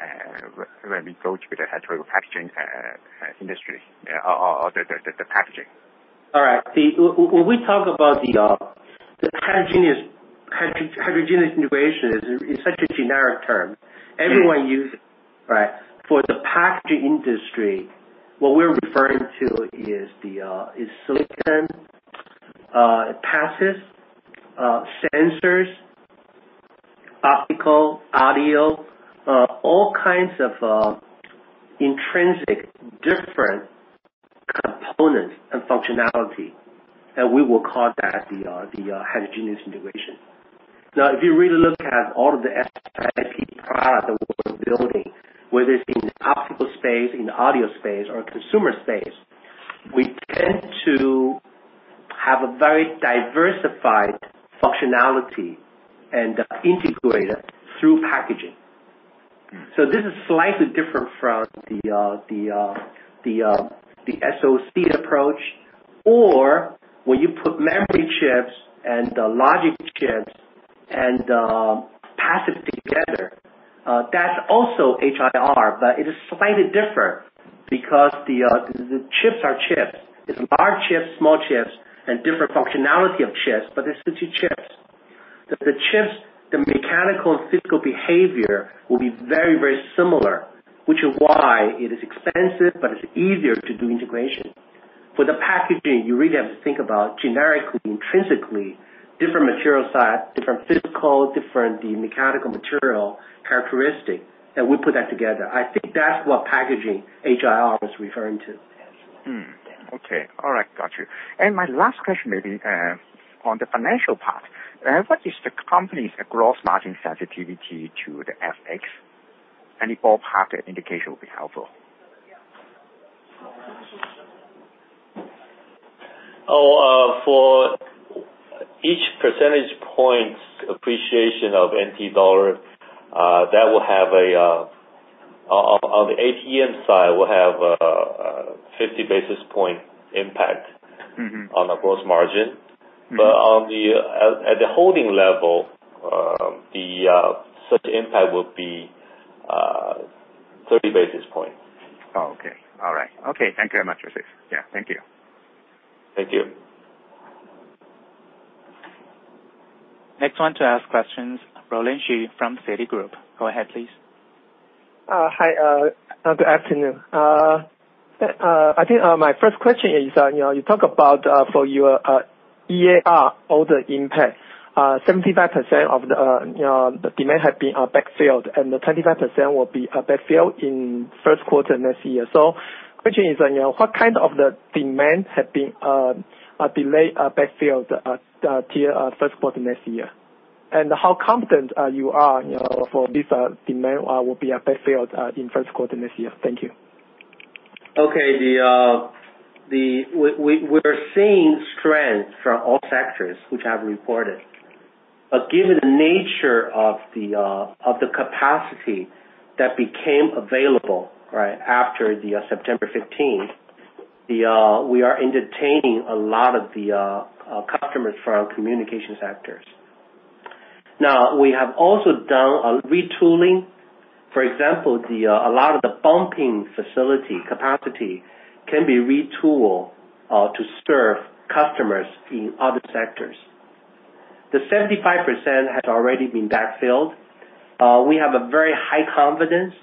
when we go to the heterogeneous packaging industry or the packaging? All right. When we talk about the heterogeneous integration, it's such a generic term. Everyone uses it. All right? For the packaging industry, what we're referring to is silicon, passive, sensors, optical, audio, all kinds of intrinsic different components and functionality. We will call that the heterogeneous integration. Now, if you really look at all of the SiP products that we're building, whether it's in the optical space, in the audio space, or consumer space, we tend to have a very diversified functionality and integrate it through packaging. So this is slightly different from the SoC approach. Or when you put memory chips and logic chips and passive together, that's also HI, but it is slightly different because the chips are chips. It's large chips, small chips, and different functionality of chips, but it's the two chips. The mechanical and physical behavior will be very, very similar, which is why it is expensive, but it's easier to do integration. For the packaging, you really have to think about generically, intrinsically, different material side, different physical, different mechanical material characteristic, and we put that together. I think that's what packaging HIR was referring to. Okay. All right. Got you. And my last question maybe on the financial part, what is the company's gross margin sensitivity to the FX? Any ballpark indication would be helpful. Oh. For each percentage point appreciation of NT dollar, that will have a on the ATM side, we'll have a 50 basis point impact on our gross margin. But at the holding level, such impact would be 30 basis points. Oh. Okay. All right. Okay. Thank you very much, Joseph. Yeah. Thank you. Thank you. Next one to ask questions, Roland Shu from Citigroup. Go ahead, please. Hi. Good afternoon. I think my first question is you talk about for your EAR, all the impact. 75% of the demand has been backfilled, and the 25% will be backfilled in first quarter next year. So question is, what kind of demand has been delayed, backfilled to the first quarter next year? And how confident are you that this demand will be backfilled in first quarter next year? Thank you. Okay. We're seeing strength from all sectors, which I've reported. But given the nature of the capacity that became available after September 15th, we are entertaining a lot of the customers from communication sectors. Now, we have also done a retooling. For example, a lot of the bumping facility capacity can be retooled to serve customers in other sectors. The 75% has already been backfilled. We have very high confidence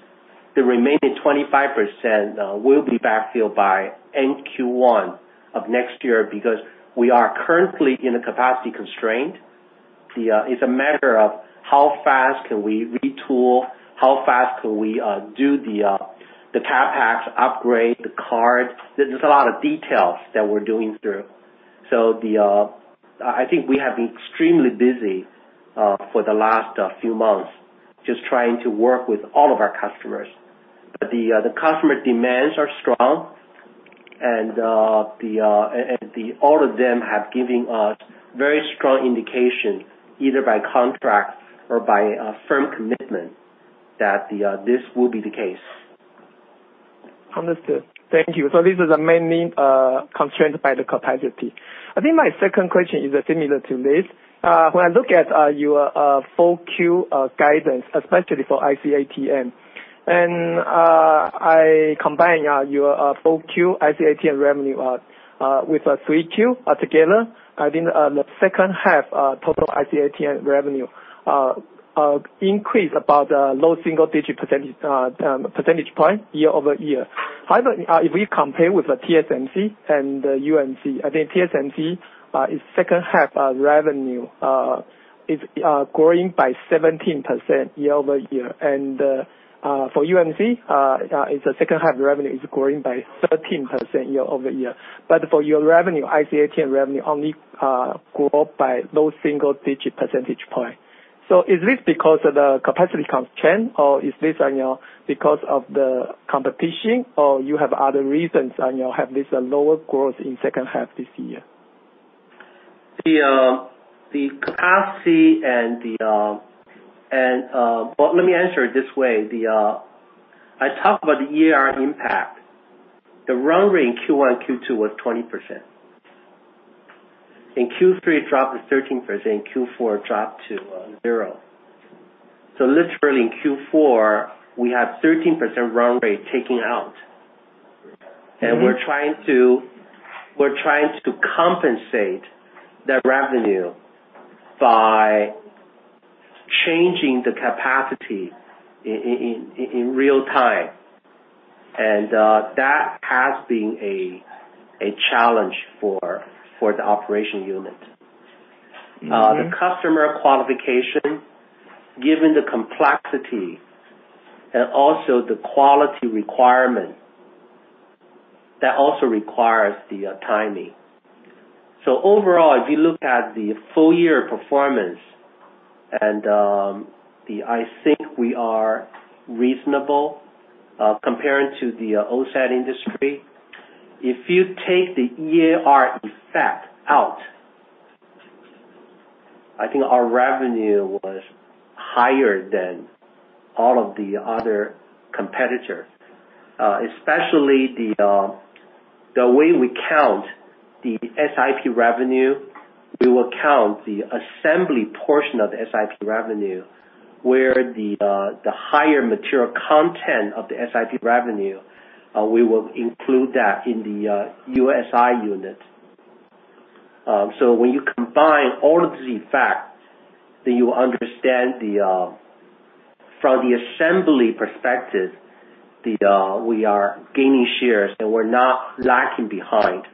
the remaining 25% will be backfilled by end Q1 of next year because we are currently in a capacity constraint. It's a matter of how fast can we retool, how fast can we do the CapEx, upgrade the card. There's a lot of details that we're doing through. So I think we have been extremely busy for the last few months just trying to work with all of our customers. But the customer demands are strong, and all of them have given us very strong indication, either by contract or by firm commitment, that this will be the case. Understood. Thank you. So this is mainly a constraint by the capacity. I think my second question is similar to this. When I look at your 4Q guidance, especially for IC ATM, and I combine your 4Q IC ATM revenue with 3Q together, I think the second half total IC ATM revenue increased about a low single-digit percentage point year-over-year. However, if we compare with TSMC and UMC, I think TSMC's second half revenue is growing by 17% year-over-year. For UMC, its second half revenue is growing by 13% year-over-year. But for your revenue, ATM revenue only grew by low single-digit percentage point. So is this because of the capacity constraint, or is this because of the competition, or you have other reasons have this lower growth in second half this year? The capacity and the well, let me answer it this way. I talk about the EAR impact. The run rate in Q1, Q2 was 20%. In Q3, it dropped to 13%. In Q4, it dropped to 0. So literally, in Q4, we have 13% run rate taking out. And we're trying to compensate that revenue by changing the capacity in real time. And that has been a challenge for the operation unit. The customer qualification, given the complexity and also the quality requirement, that also requires the timing. So overall, if you look at the full-year performance, I think we are reasonable comparing to the OSAT industry. If you take the EAR effect out, I think our revenue was higher than all of the other competitors, especially the way we count the SIP revenue. We will count the assembly portion of the SIP revenue. Where the higher material content of the SIP revenue, we will include that in the USI unit. So when you combine all of these facts, then you will understand from the assembly perspective, we are gaining shares, and we're not lacking behind.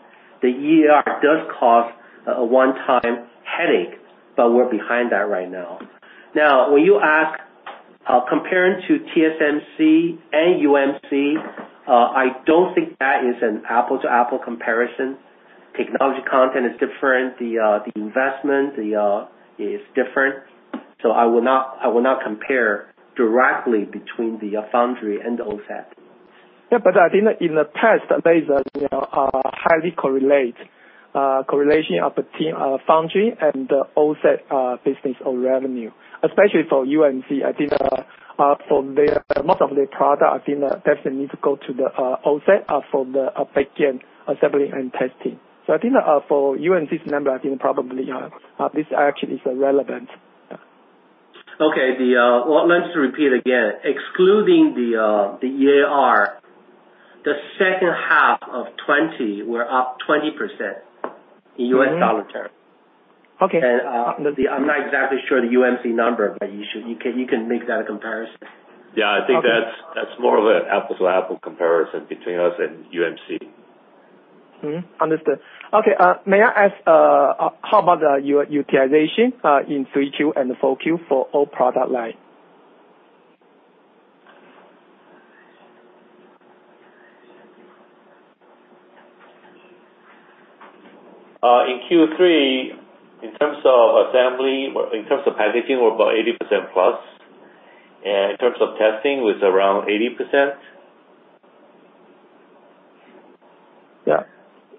The EAR does cause a one-time headache, but we're behind that right now. Now, when you ask comparing to TSMC and UMC, I don't think that is an apple-to-apple comparison. Technology content is different. The investment is different. So I will not compare directly between the foundry and the OSAT. Yeah. But I think in the past, there's a high correlation of the foundry and the OSAT business or revenue, especially for UMC. I think for most of their product, I think they definitely need to go to the OSAT for the backend assembly and testing. So I think for UMC's number, I think probably this actually is relevant. Okay. Well, let me just repeat again. Excluding the EAR, the second half of 2020 were up 20% in U.S. dollar term. And I'm not exactly sure the UMC number, but you can make that a comparison. Yeah. I think that's more of an apple-to-apple comparison between us and UMC. Understood. Okay. May I ask, how about the utilization in 3Q and 4Q for old product line? In Q3, in terms of assembly or in terms of packaging, we're about 80% plus. And in terms of testing, it was around 80%. Yeah.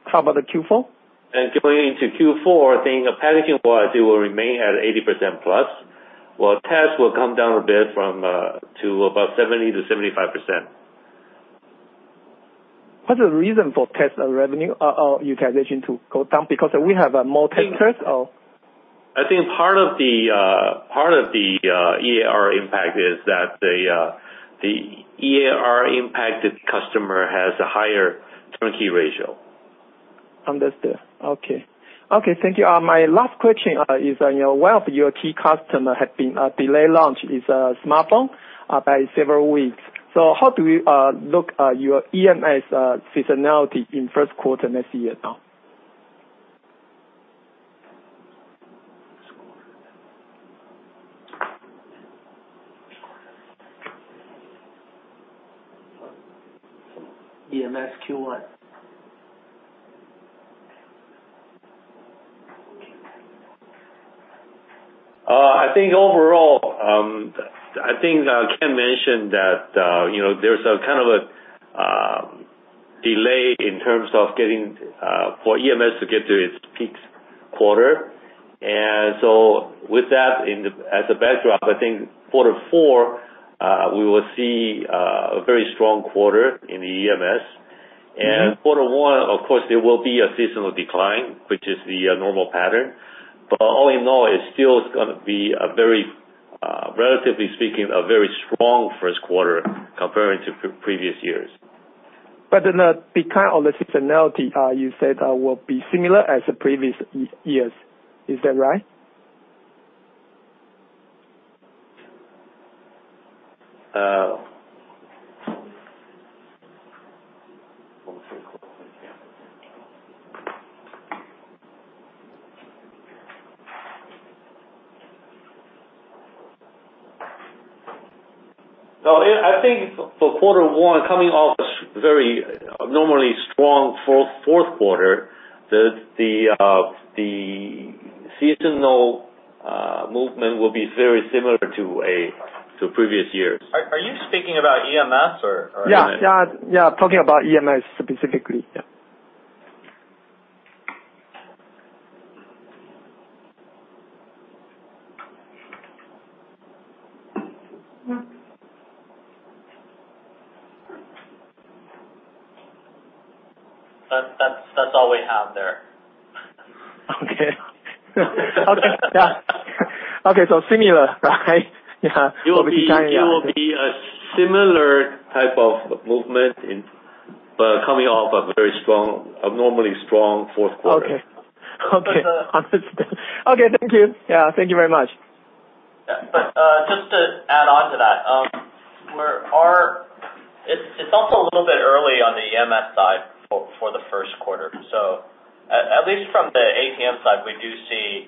How about the Q4? And going into Q4, I think packaging-wise, it will remain at 80% plus. Well, tests will come down a bit to about 70%-75%. What's the reason for test revenue utilization to go down? Because we have more testers or. I think part of the EAR impact is that the EAR-impacted customer has a higher turnkey ratio. Understood. Okay. Okay. Thank you. My last question is, one of your key customers has been a delayed launch is a smartphone by several weeks. So how do you look at your EMS seasonality in first quarter next year now? EMS Q1? I think overall, I think Ken mentioned that there's kind of a delay in terms of getting for EMS to get to its peak quarter. And so with that as a backdrop, I think quarter four, we will see a very strong quarter in the EMS. And quarter one, of course, there will be a seasonal decline, which is the normal pattern. But all in all, it's still going to be a very relatively speaking, a very strong first quarter comparing to previous years. But the decline or the seasonality you said will be similar as the previous years. Is that right? No. I think for quarter one, coming off a very normally strong fourth quarter, the seasonal movement will be very similar to previous years. Are you speaking about EMS or EMS? Yeah. Yeah. Yeah. Talking about EMS specifically. Yeah. That's all we have there. Okay. Okay. Yeah. Okay. So similar, right? Yeah. For the decline, you will be a similar type of movement, but coming off a very strong, abnormally strong fourth quarter. Okay. Okay. Understood. Okay. Thank you. Yeah. Thank you very much. But just to add on to that, it's also a little bit early on the EMS side for the first quarter. So at least from the ATM side, we do see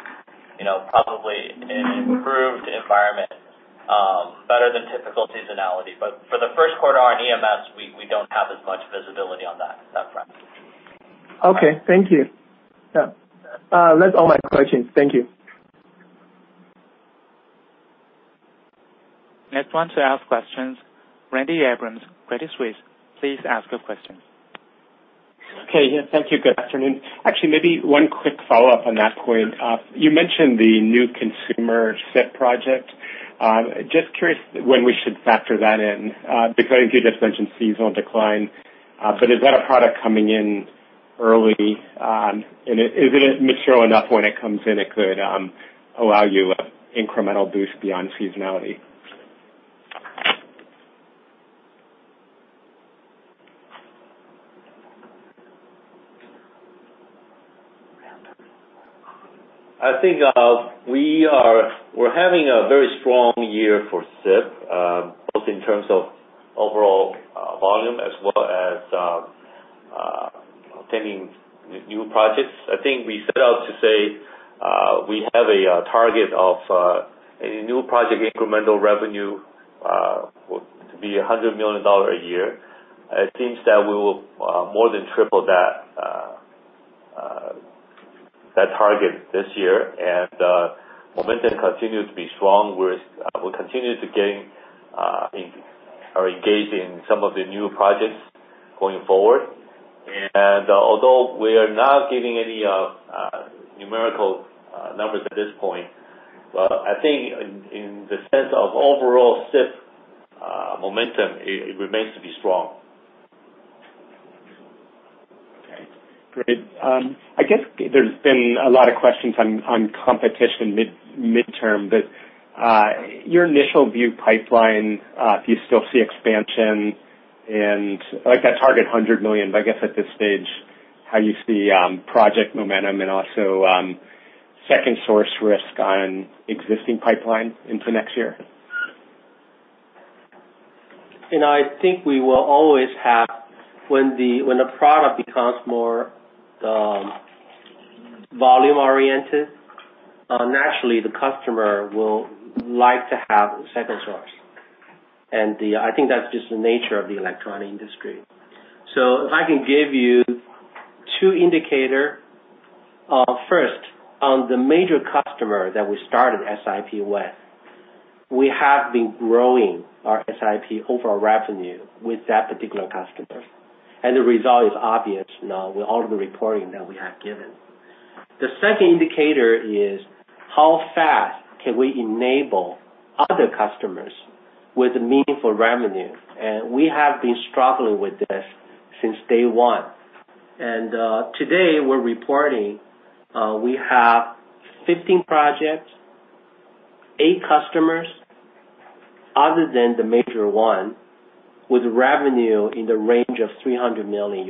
probably an improved environment, better than typical seasonality. But for the first quarter on EMS, we don't have as much visibility on that front. Okay. Thank you. Yeah. That's all my questions. Thank you. Next one to ask questions, Randy Abrams, Credit Suisse. Please ask your questions. Okay. Yeah. Thank you. Good afternoon. Actually, maybe one quick follow-up on that point. You mentioned the new consumer SiP project. Just curious when we should factor that in because I think you just mentioned seasonal decline. But is that a product coming in early? And is it mature enough when it comes in it could allow you an incremental boost beyond seasonality? I think we're having a very strong year for SiP, both in terms of overall volume as well as obtaining new projects. I think we set out to say we have a target of a new project incremental revenue to be 100 million dollar a year. It seems that we will more than triple that target this year. And momentum continues to be strong. We'll continue to get or engage in some of the new projects going forward. And although we are not giving any numerical numbers at this point, I think in the sense of overall SIP momentum, it remains to be strong. Okay. Great. I guess there's been a lot of questions on competition midterm. But your initial view pipeline, do you still see expansion and that target 100 million? But I guess at this stage, how do you see project momentum and also second source risk on existing pipeline into next year? I think we will always have when a product becomes more volume-oriented, naturally, the customer will like to have second source. And I think that's just the nature of the electronic industry. So if I can give you two indicators. First, on the major customer that we started SiP with, we have been growing our SiP overall revenue with that particular customer. And the result is obvious now with all of the reporting that we have given. The second indicator is how fast can we enable other customers with meaningful revenue? And we have been struggling with this since day one. Today, we're reporting we have 15 projects, eight customers other than the major one with revenue in the range of TWD 300 million.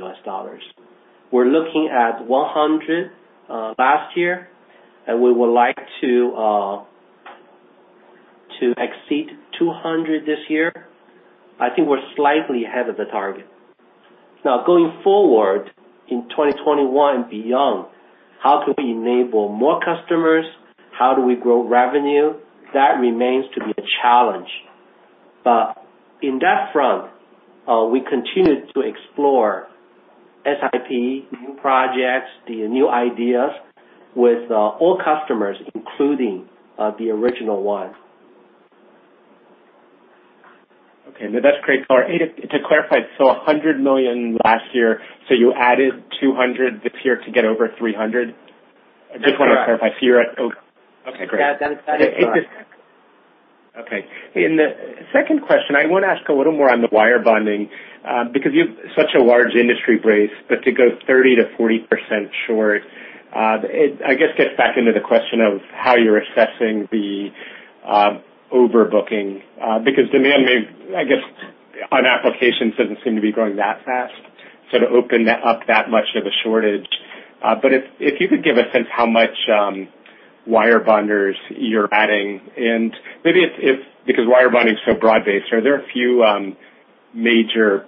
We're looking at 100 million last year, and we would like to exceed 200 million this year. I think we're slightly ahead of the target. Now, going forward in 2021 and beyond, how can we enable more customers? How do we grow revenue? That remains to be a challenge. But in that front, we continue to explore SIP, new projects, the new ideas with all customers including the original one. Okay. That's great. To clarify, so 100 million last year, so you added 200 million this year to get over 300 million? I just want to clarify. So you're at. Okay. Great. That is correct. Okay. Hey. The second question, I want to ask a little more on the wire bonding because you have such a large industry base. But to go 30%-40% short, it I guess gets back into the question of how you're assessing the overbooking because demand may I guess on applications doesn't seem to be growing that fast to open up that much of a shortage. But if you could give a sense how much wire bonders you're adding and maybe if because wire bonding's so broad-based, are there a few major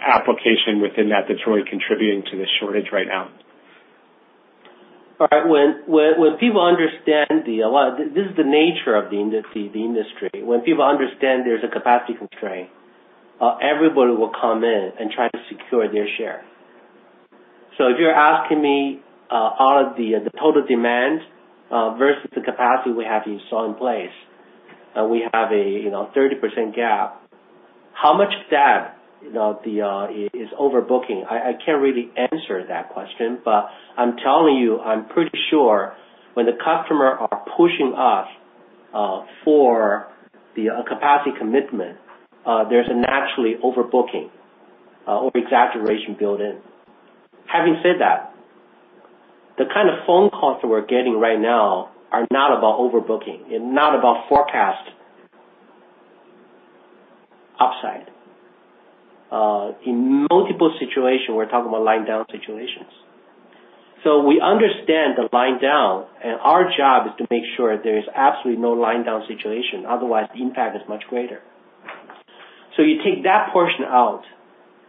applications within that that's really contributing to the shortage right now? All right. When people understand this is the nature of the industry. When people understand there's a capacity constraint, everybody will come in and try to secure their share. So if you're asking me out of the total demand versus the capacity we have installed in place, we have a 30% gap, how much of that is overbooking? I can't really answer that question. But I'm telling you, I'm pretty sure when the customers are pushing us for the capacity commitment, there's a naturally overbooking or exaggeration built in. Having said that, the kind of phone calls that we're getting right now are not about overbooking. It's not about forecast upside. In multiple situations, we're talking about line down situations. So we understand the line down, and our job is to make sure there is absolutely no line down situation. Otherwise, the impact is much greater. So you take that portion out.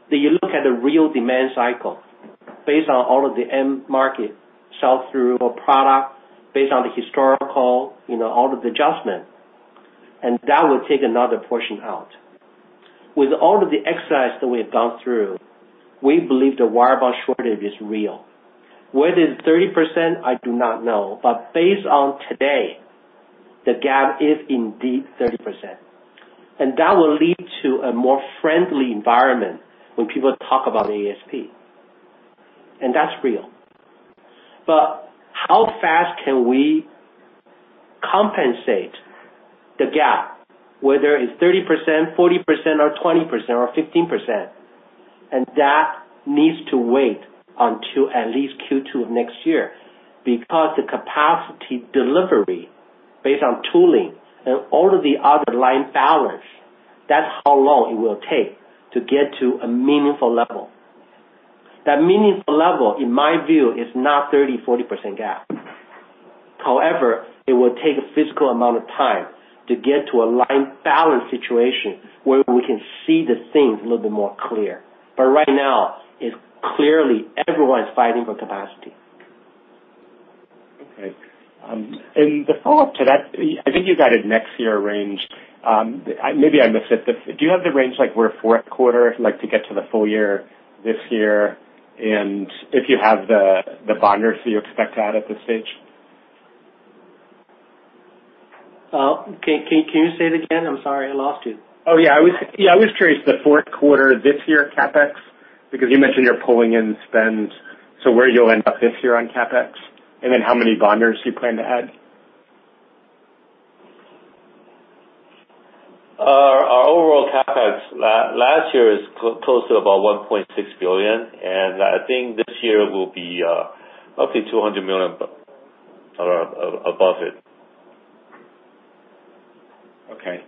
Then you look at the real demand cycle based on all of the end market sell-through or product based on the historical, all of the adjustment. That would take another portion out. With all of the exercise that we have gone through, we believe the wire bond shortage is real. Whether it's 30%, I do not know. But based on today, the gap is indeed 30%. That will lead to a more friendly environment when people talk about ASP. That's real. But how fast can we compensate the gap, whether it's 30%, 40%, or 20%, or 15%? That needs to wait until at least Q2 of next year because the capacity delivery based on tooling and all of the other line balance, that's how long it will take to get to a meaningful level. That meaningful level, in my view, is not 30%-40% gap. However, it will take a physical amount of time to get to a line balance situation where we can see the things a little bit more clear. But right now, it's clearly everyone's fighting for capacity. Okay. And the follow-up to that, I think you got a next-year range. Maybe I missed it. Do you have the range where fourth quarter to get to the full year this year and if you have the bonders that you expect to add at this stage? Can you say it again? I'm sorry. I lost you. Oh, yeah. Yeah. I was curious. The fourth quarter this year CapEx because you mentioned you're pulling in spend. So where you'll end up this year on CapEx and then how many bonders you plan to add? Our overall CapEx last year is closer to about 1.6 billion. I think this year will be roughly 200 million above it. Okay.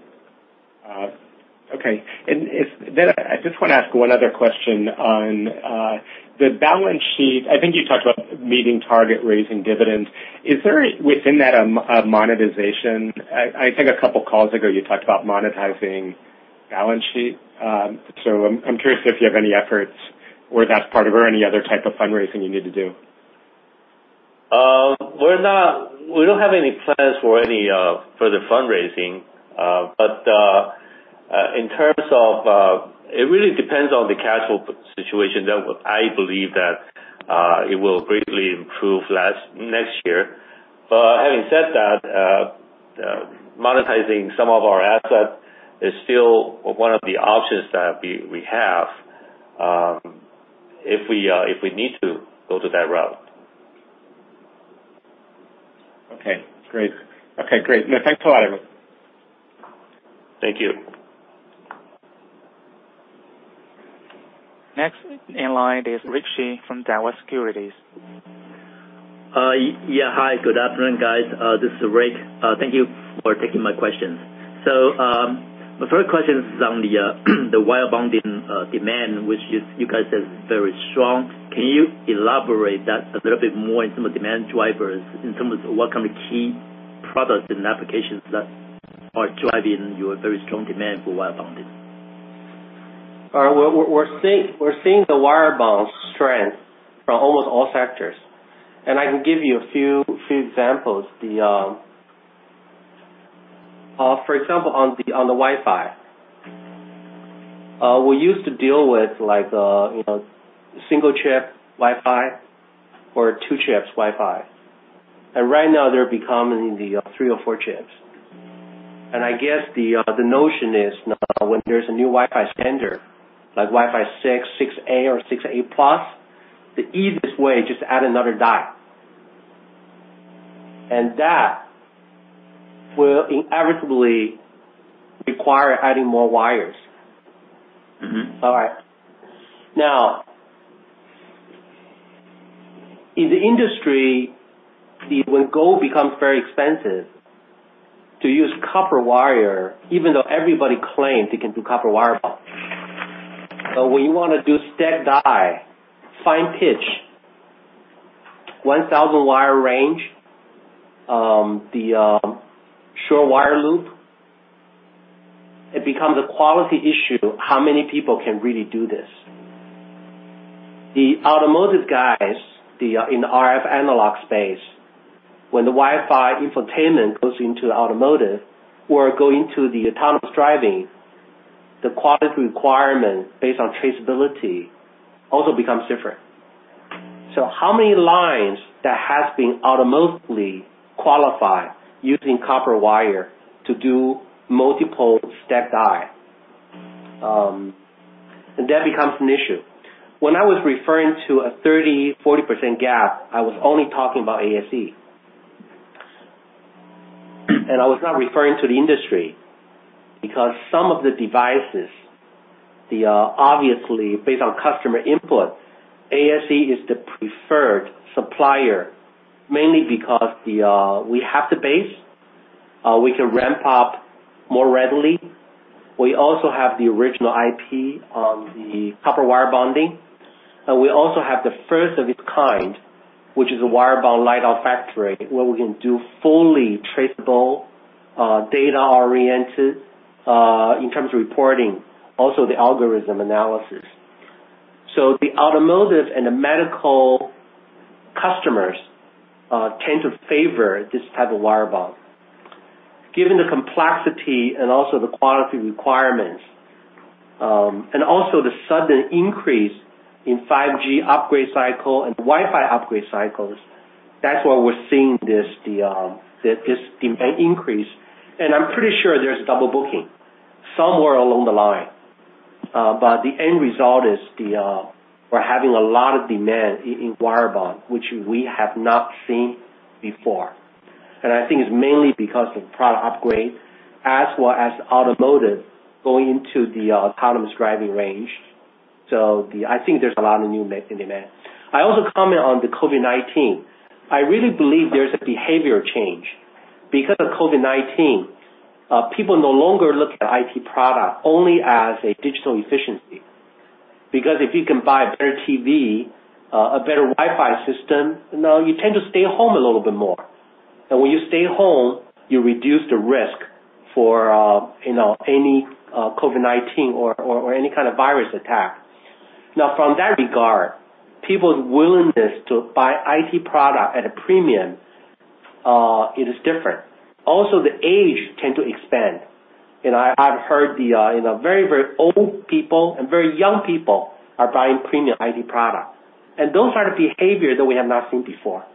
Okay. Then I just want to ask one other question on the balance sheet. I think you talked about meeting target raising dividends. Is there within that a monetization? I think a couple of calls ago, you talked about monetizing balance sheet. So I'm curious if you have any efforts or that's part of or any other type of fundraising you need to do. We don't have any plans for any further fundraising. But in terms of it really depends on the cash flow situation. I believe that it will greatly improve next year. But having said that, monetizing some of our assets is still one of the options that we have if we need to go to that route. Okay. Great. Okay. Great. Thanks a lot, everyone. Thank you. Next in line is Rick Hsu from Daiwa Securities. Yeah. Hi. Good afternoon, guys. This is Rick. Thank you for taking my questions. So my first question is on the wire bonding demand, which you guys said is very strong. Can you elaborate that a little bit more in terms of demand drivers, in terms of what kind of key products and applications that are driving your very strong demand for wire bonding? All right. We're seeing the wire bonding strength from almost all sectors. And I can give you a few examples. For example, on the Wi-Fi, we used to deal with single-chip Wi-Fi or two-chip Wi-Fi. And right now, they're becoming the three or four chips. And I guess the notion is now when there's a new Wi-Fi standard like Wi-Fi 6, 6E, or 6E+, the easiest way is just to add another die. That will inevitably require adding more wires. All right. Now, in the industry, when gold becomes very expensive, to use copper wire, even though everybody claims they can do copper wire bond. But when you want to do stacked die, fine pitch, 1,000-wire range, the short wire loop, it becomes a quality issue how many people can really do this. The automotive guys in the RF analog space, when the Wi-Fi infotainment goes into automotive or go into the autonomous driving, the quality requirement based on traceability also becomes different. So how many lines that has been automatically qualified using copper wire to do multiple stacked die? And that becomes an issue. When I was referring to a 30%-40% gap, I was only talking about ASE. I was not referring to the industry because some of the devices, obviously, based on customer input, ASE is the preferred supplier mainly because we have the base. We can ramp up more readily. We also have the original IP on the copper wire bonding. And we also have the first of its kind, which is a wire bond light-out factory where we can do fully traceable, data-oriented in terms of reporting, also the algorithm analysis. So the automotive and the medical customers tend to favor this type of wire bond. Given the complexity and also the quality requirements and also the sudden increase in 5G upgrade cycle and Wi-Fi upgrade cycles, that's why we're seeing this demand increase. And I'm pretty sure there's double booking somewhere along the line. But the end result is we're having a lot of demand in wire bonding, which we have not seen before. I think it's mainly because of product upgrade as well as automotive going into the autonomous driving range. I think there's a lot of new demand. I also comment on the COVID-19. I really believe there's a behavioral change because of COVID-19. People no longer look at IT product only as a digital efficiency because if you can buy a better TV, a better Wi-Fi system, now you tend to stay home a little bit more. And when you stay home, you reduce the risk for any COVID-19 or any kind of virus attack. Now, from that regard, people's willingness to buy IT product at a premium, it is different. Also, the age tends to expand. I've heard the very, very old people and very young people are buying premium IT product. And those are the behavior that we have not seen before.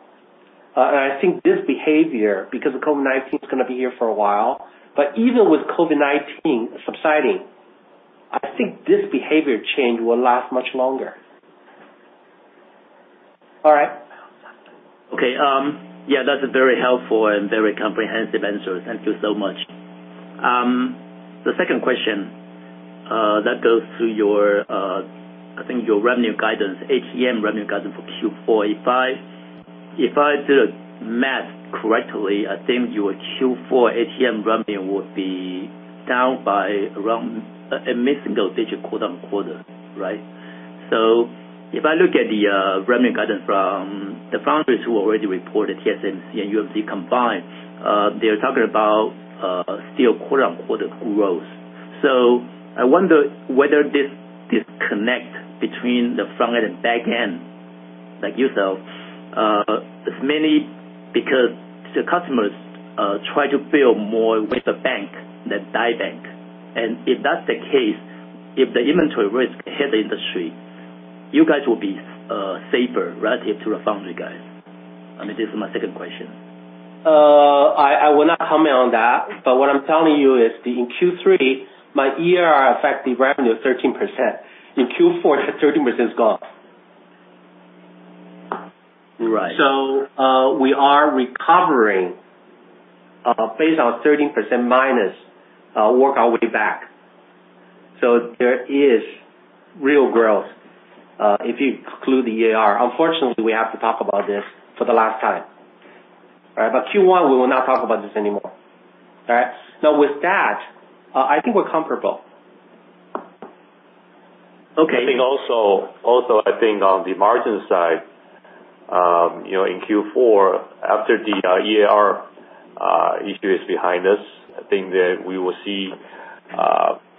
And I think this behavior because COVID-19's going to be here for a while. But even with COVID-19 subsiding, I think this behavior change will last much longer. All right. Okay. Yeah. That's a very helpful and very comprehensive answer. Thank you so much. The second question, that goes through, I think, your revenue guidance, ATM revenue guidance for Q4. If I did a math correctly, I think your Q4 ATM revenue would be down by around a mid-single-digit quarter-on-quarter, right? So if I look at the revenue guidance from the foundries who already reported, TSMC and UMC combined, they're talking about still quarter-on-quarter growth. So I wonder whether this disconnect between the front end and back end like yourself is mainly because the customers try to build more with the backend than the die bank. And if that's the case, if the inventory risk hit the industry, you guys will be safer relative to the foundry guys. I mean, this is my second question. I will not comment on that. But what I'm telling you is in Q3, the EAR affected revenue 13%. In Q4, that 13% is gone. So we are recovering based on 13% minus, work our way back. So there is real growth if you exclude the EAR. Unfortunately, we have to talk about this for the last time, right? But Q1, we will not talk about this anymore, all right? Now, with that, I think we're comparable. Okay. I think also, I think on the margin side, in Q4, after the EAR issue is behind us, I think that we will see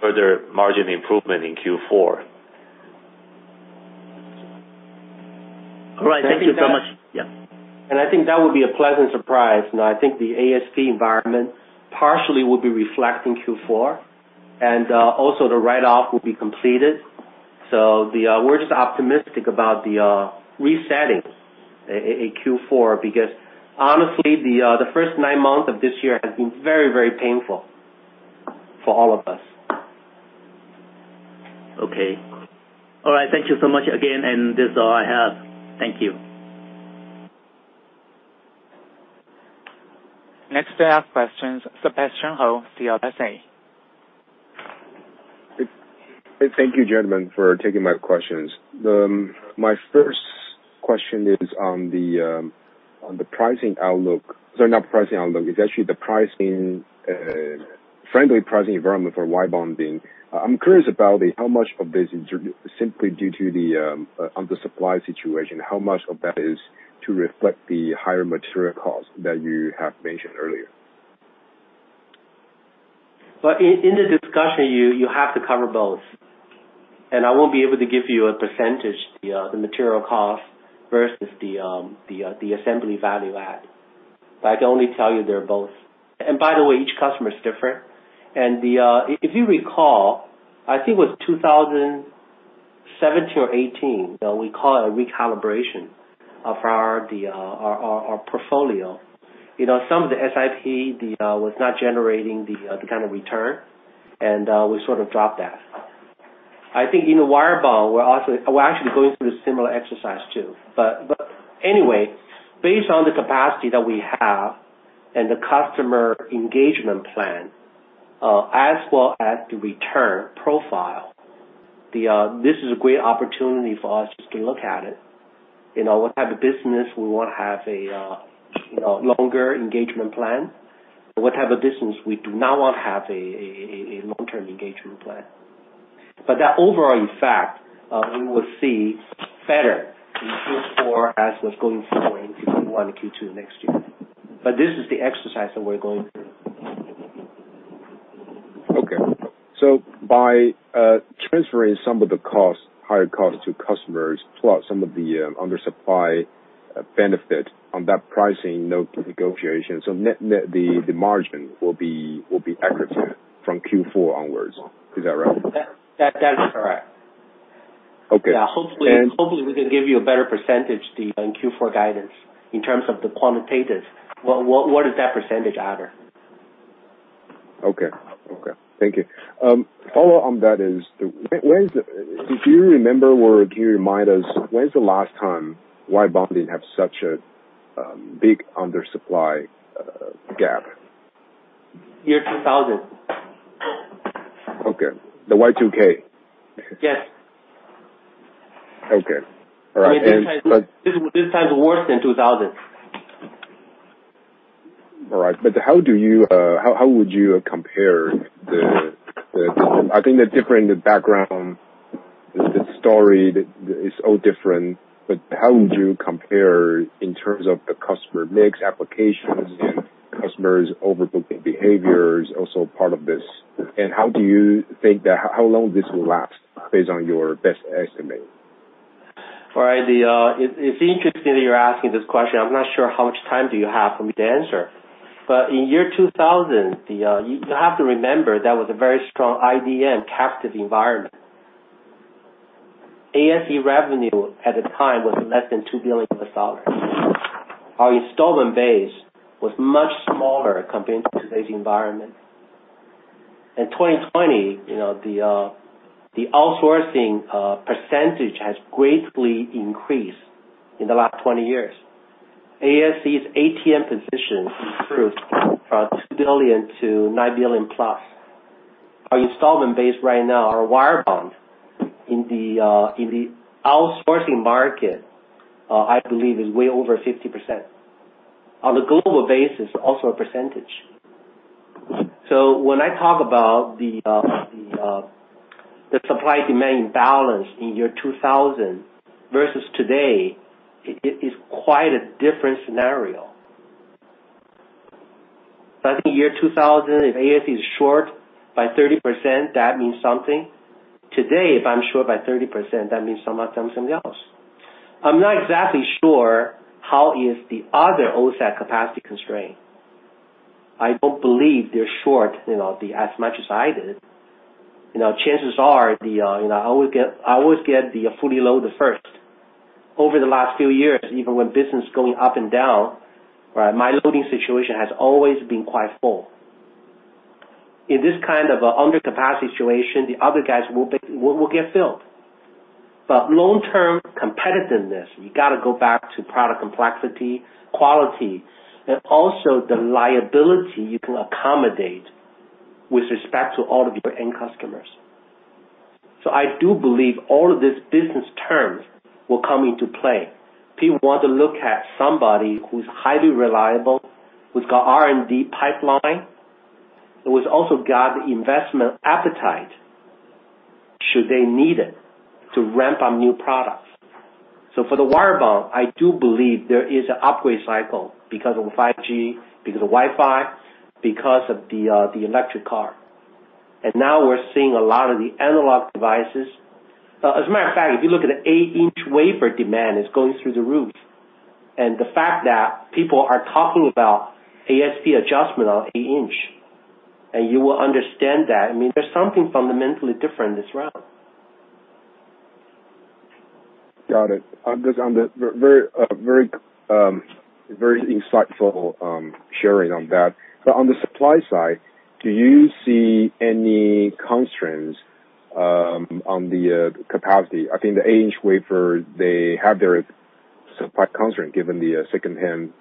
further margin improvement in Q4. All right. Thank you so much. Yeah. And I think that would be a pleasant surprise. Now, I think the ASP environment partially will be reflecting Q4. And also, the write-off will be completed. So we're just optimistic about the resetting in Q4 because, honestly, the first nine months of this year have been very, very painful for all of us. Okay. All right. Thank you so much again. And that's all I have. Thank you. Next to ask questions, Sebastian Hou, CLSA. Thank you, gentlemen, for taking my questions. My first question is on the pricing outlook. Sorry, not pricing outlook. It's actually the friendly pricing environment for wire bonding. I'm curious about how much of this is simply due to the supply situation. How much of that is to reflect the higher material cost that you have mentioned earlier? Well, in the discussion, you have to cover both. And I won't be able to give you a percentage, the material cost versus the assembly value add. But I can only tell you they're both. And by the way, each customer's different. And if you recall, I think it was 2017 or 2018, we called it a recalibration of our portfolio. Some of the SIP was not generating the kind of return, and we sort of dropped that. I think in the wire bond, we're actually going through a similar exercise too. But anyway, based on the capacity that we have and the customer engagement plan as well as the return profile, this is a great opportunity for us just to look at it. What type of business we want to have a longer engagement plan? What type of business we do not want to have a long-term engagement plan? But that overall effect, we will see better in Q4 as we're going forward in Q1 and Q2 next year. But this is the exercise that we're going through. Okay. So by transferring some of the higher cost to customers plus some of the undersupply benefit on that pricing, no negotiation, so the margin will be equitable from Q4 onwards. Is that right? That is correct. Yeah. Hopefully, we can give you a better percentage in Q4 guidance in terms of the quantitatives. What is that percentage out of? Okay. Okay. Thank you. Follow-up on that is, do you remember or can you remind us when's the last time wire bonding had such a big undersupply gap? Year 2000. Okay. The Y2K? Yes. Okay. All right. And this time's worse than 2000. All right. But how would you compare the I think the different background, the story is all different. But how would you compare in terms of the customer mix, applications, and customers' overbooking behaviors, also part of this? And how do you think that how long this will last based on your best estimate? All right. It's interesting that you're asking this question. I'm not sure how much time do you have for me to answer. But in year 2000, you have to remember that was a very strong IDM captive environment. ASE revenue at the time was less than 2 billion dollars. Our installed base was much smaller compared to today's environment. In 2020, the outsourcing percentage has greatly increased in the last 20 years. ASE's ATM position improved from 2 billion to 9 billion plus. Our installed base right now, our wire bond in the outsourcing market, I believe, is way over 50%. On a global basis, also a percentage. So when I talk about the supply-demand imbalance in year 2000 versus today, it's quite a different scenario. So I think year 2000, if ASE is short by 30%, that means something. Today, if I'm short by 30%, that means something else. I'm not exactly sure how is the other OSAT capacity constraint. I don't believe they're short as much as I did. Chances are, I always get the fully loaded first. Over the last few years, even when business is going up and down, my loading situation has always been quite full. In this kind of undercapacity situation, the other guys will get filled. But long-term competitiveness, you got to go back to product complexity, quality, and also the liability you can accommodate with respect to all of your end customers. So I do believe all of these business terms will come into play. People want to look at somebody who's highly reliable, who's got R&D pipeline, and who's also got the investment appetite should they need it to ramp up new products. So for the wire bond, I do believe there is an upgrade cycle because of 5G, because of Wi-Fi, because of the electric car. Now we're seeing a lot of the analog devices, as a matter of fact. If you look at the 8-inch wafer demand, it's going through the roof. The fact that people are talking about ASP adjustment on 8-inch, and you will understand that, I mean, there's something fundamentally different this round. Got it. Very insightful sharing on that. But on the supply side, do you see any constraints on the capacity? I think the 8-inch wafer, they have their supply constraint given the secondhand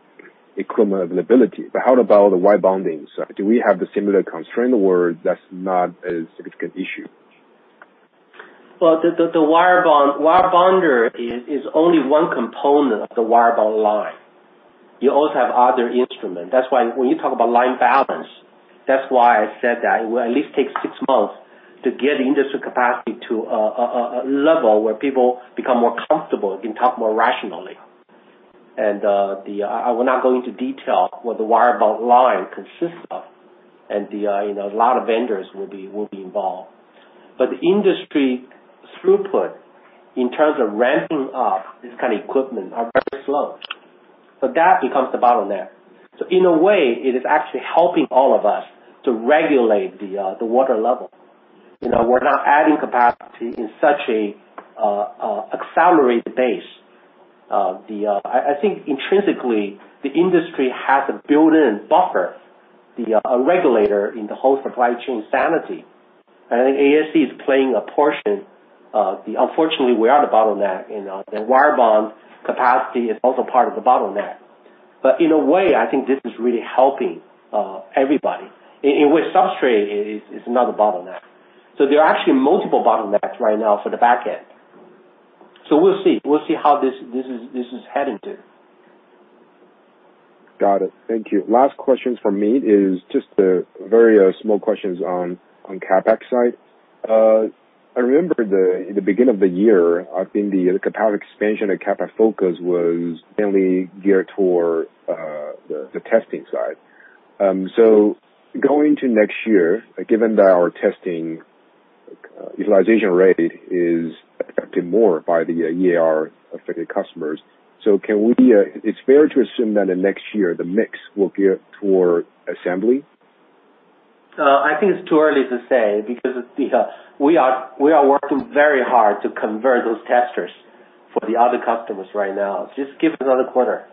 equipment availability. But how about the wire bonding side? Do we have the similar constraint or that's not a significant issue? Well, the wire bonder is only one component of the wire bond line. You also have other instruments. That's why when you talk about line balance, that's why I said that it will at least take six months to get the industry capacity to a level where people become more comfortable and can talk more rationally. And I will not go into detail what the wire bond line consists of. And a lot of vendors will be involved. But the industry throughput in terms of ramping up this kind of equipment are very slow. So that becomes the bottleneck. So in a way, it is actually helping all of us to regulate the water level. We're not adding capacity in such an accelerated base. I think intrinsically, the industry has a built-in buffer, a regulator in the whole supply chain sanity. And I think ASE is playing a portion. Unfortunately, we are the bottleneck. The wire bond capacity is also part of the bottleneck. But in a way, I think this is really helping everybody in which substrate is not a bottleneck. So there are actually multiple bottlenecks right now for the back end. So we'll see. We'll see how this is heading to. Got it. Thank you. Last questions from me is just very small questions on CapEx side. I remember in the beginning of the year, I think the capacity expansion and CapEx focus was mainly geared toward the testing side. So going into next year, given that our testing utilization rate is affected more by the EAR-affected customers, so can we it's fair to assume that in next year, the mix will gear toward assembly? I think it's too early to say because we are working very hard to convert those testers for the other customers right now. Just give us another quarter.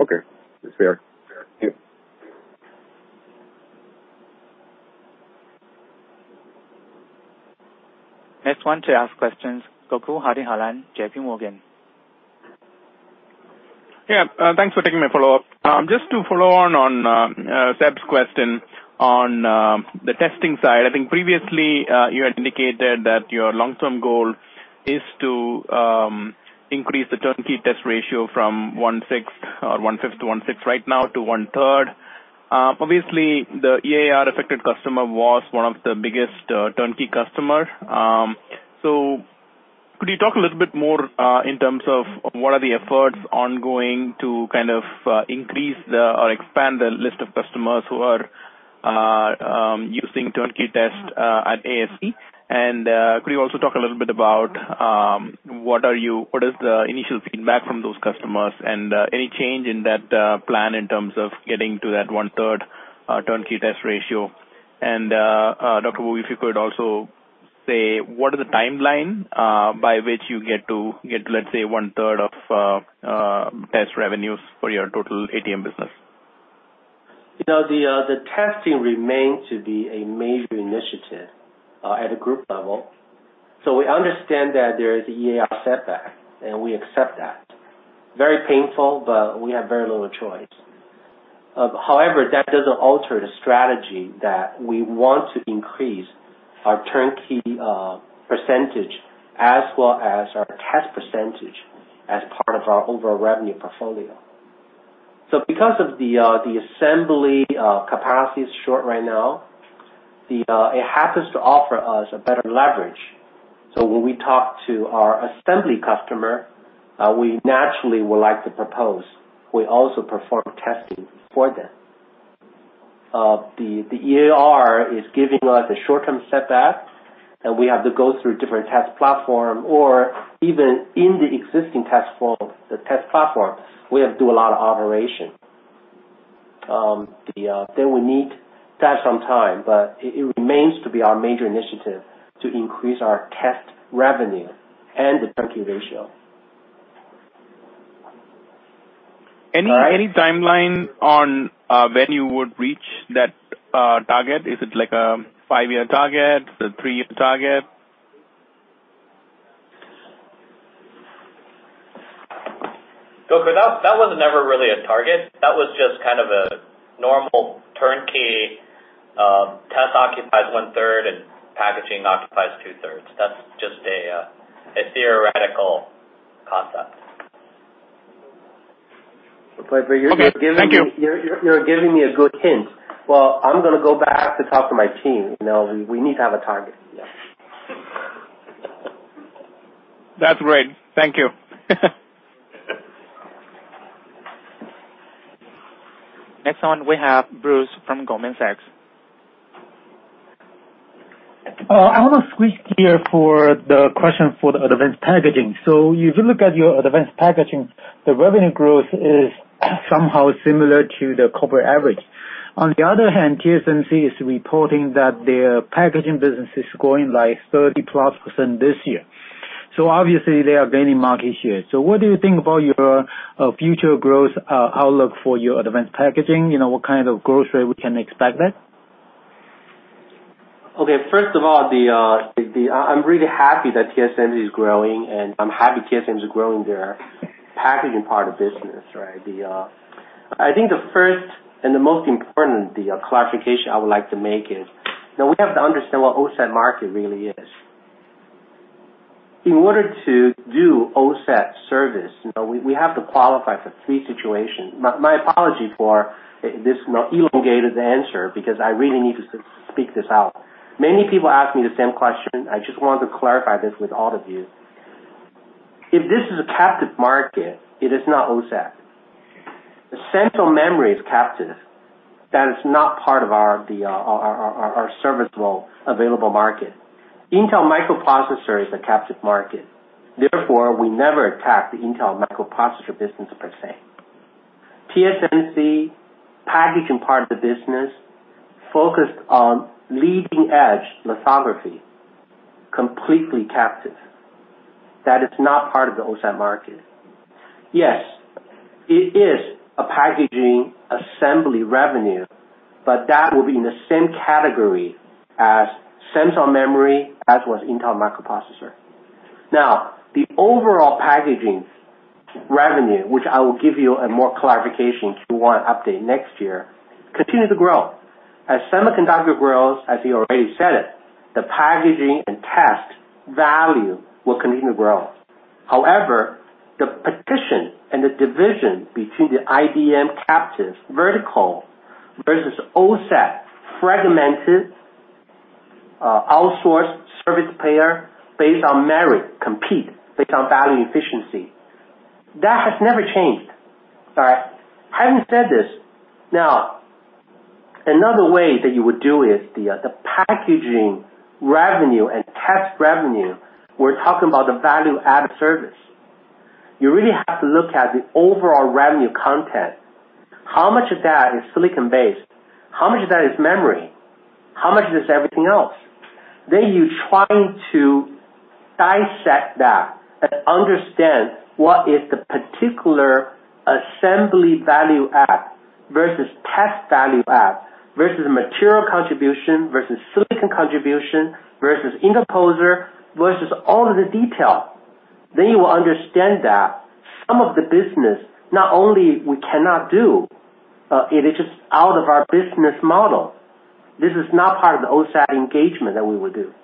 Okay. It's fair. Thank you. Next one to ask questions, Gokul Hariharan, J.P. Morgan. Yeah. Thanks for taking my follow-up. Just to follow on Seb's question on the testing side, I think previously, you had indicated that your long-term goal is to increase the turnkey test ratio from 1/6 or 1/5 to 1/6 right now to 1/3. Obviously, the EAR-affected customer was one of the biggest turnkey customers. So could you talk a little bit more in terms of what are the efforts ongoing to kind of increase or expand the list of customers who are using turnkey test at ASE? And could you also talk a little bit about what is the initial feedback from those customers and any change in that plan in terms of getting to that 1/3 turnkey test ratio? And Dr. Wu, if you could also say, what is the timeline by which you get to, let's say, one-third of test revenues for your total ATM business? The testing remains to be a major initiative at a group level. So we understand that there is an EAR setback, and we accept that. Very painful, but we have very little choice. However, that doesn't alter the strategy that we want to increase our turnkey percentage as well as our test percentage as part of our overall revenue portfolio. So because of the assembly capacity is short right now, it happens to offer us a better leverage. So when we talk to our assembly customer, we naturally would like to propose. We also perform testing for them. The EAR is giving us a short-term setback, and we have to go through different test platforms. Or even in the existing test platform, we have to do a lot of operation. Then we need to have some time. But it remains to be our major initiative to increase our test revenue and the turnkey ratio. Any timeline on when you would reach that target? Is it like a five-year target, a three-year target? Gokul, that was never really a target. That was just kind of a normal turnkey test occupies 1/3 and packaging occupies 2/3. That's just a theoretical concept. Okay. Thank you. You're giving me a good hint. Well, I'm going to go back to talk to my team. We need to have a target. That's great. Thank you. Next one, we have Bruce from Goldman Sachs. I want to switch gear for the question for the advanced packaging. So if you look at your advanced packaging, the revenue growth is somehow similar to the corporate average. On the other hand, TSMC is reporting that their packaging business is growing like 30%+ this year. So obviously, they are gaining market share. So what do you think about your future growth outlook for your advanced packaging? What kind of growth rate we can expect there? Okay. First of all, I'm really happy that TSMC is growing, and I'm happy TSMC is growing their packaging part of business, right? I think the first and the most important clarification I would like to make is we have to understand what OSAT market really is. In order to do OSAT service, we have to qualify for three situations. My apology for this elongated answer because I really need to speak this out. Many people ask me the same question. I just want to clarify this with all of you. If this is a captive market, it is not OSAT. The central memory is captive. That is not part of our serviceable available market. Intel microprocessor is a captive market. Therefore, we never attack the Intel microprocessor business per se. TSMC, packaging part of the business, focused on leading-edge lithography, completely captive. That is not part of the OSAT market. Yes, it is a packaging assembly revenue, but that will be in the same category as central memory as was Intel microprocessor. Now, the overall packaging revenue, which I will give you a more clarification Q1 update next year, continues to grow. As semiconductor grows, as he already said it, the packaging and test value will continue to grow. However, the partition and the division between the IDM captive vertical versus OSAT fragmented outsourced service provider based on merit, compete based on value efficiency. That has never changed, all right? Having said this, now, another way that you would do is the packaging revenue and test revenue. We're talking about the value-added service. You really have to look at the overall revenue content. How much of that is silicon-based? How much of that is memory? How much of it is everything else? Then you're trying to dissect that and understand what is the particular assembly value-add versus test value-add versus material contribution versus silicon contribution versus interposer versus all of the detail. Then you will understand that some of the business, not only we cannot do, it is just out of our business model. This is not part of the OSAT engagement that we would do.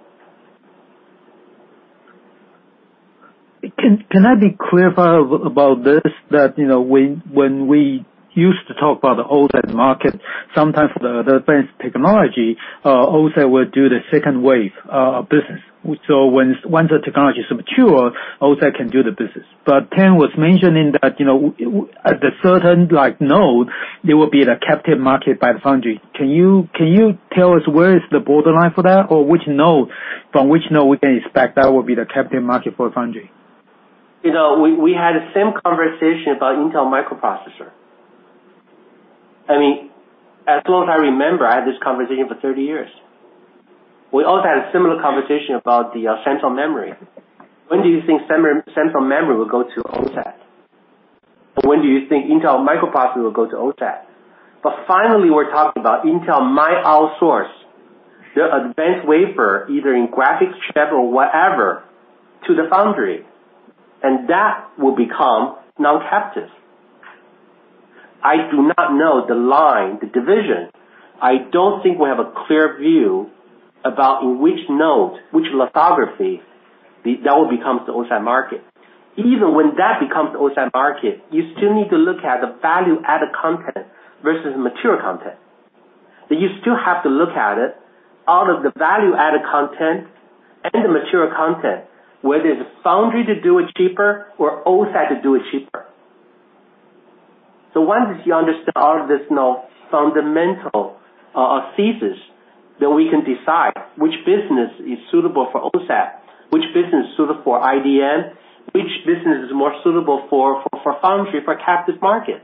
Can I be clear about this? That when we used to talk about the OSAT market, sometimes for the advanced technology, OSAT would do the second wave of business. So once the technology is mature, OSAT can do the business. But Ken was mentioning that at a certain node, it will be the captive market by the foundry. Can you tell us where is the borderline for that or from which node we can expect that will be the captive market for the foundry? We had the same conversation about Intel microprocessor. I mean, as long as I remember, I had this conversation for 30 years. We also had a similar conversation about the central memory. When do you think central memory will go to OSAT? When do you think Intel microprocessor will go to OSAT? But finally, we're talking about Intel might outsource their advanced wafer, either in graphics chip or whatever, to the foundry. And that will become non-captive. I do not know the line, the division. I don't think we have a clear view about in which node, which lithography, that will become the OSAT market. Even when that becomes the OSAT market, you still need to look at the value-added content versus material content. You still have to look at it out of the value-added content and the material content, whether it's foundry to do it cheaper or OSAT to do it cheaper. So once you understand all of this fundamental thesis, then we can decide which business is suitable for OSAT, which business is suitable for IDM, which business is more suitable for foundry, for captive market.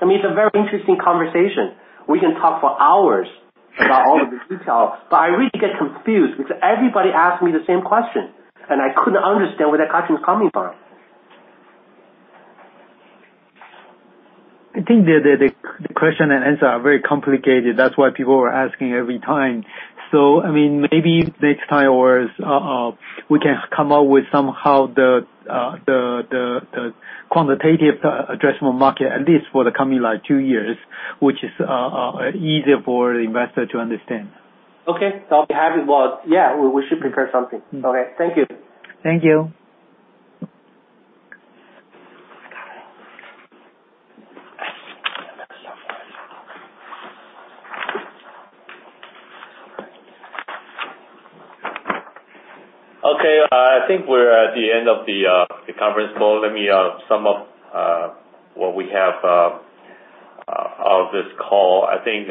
I mean, it's a very interesting conversation. We can talk for hours about all of the details. But I really get confused because everybody asks me the same question, and I couldn't understand where that question is coming from. I think the question and answer are very complicated. That's why people were asking every time. So I mean, maybe next time we can come up with somehow the quantitative addressable market, at least for the coming two years, which is easier for the investor to understand. Okay. So I'll be happy. Well, yeah, we should prepare something. Okay. Thank you. Thank you. Okay. I think we're at the end of the conference call. Let me sum up what we have out of this call. I think,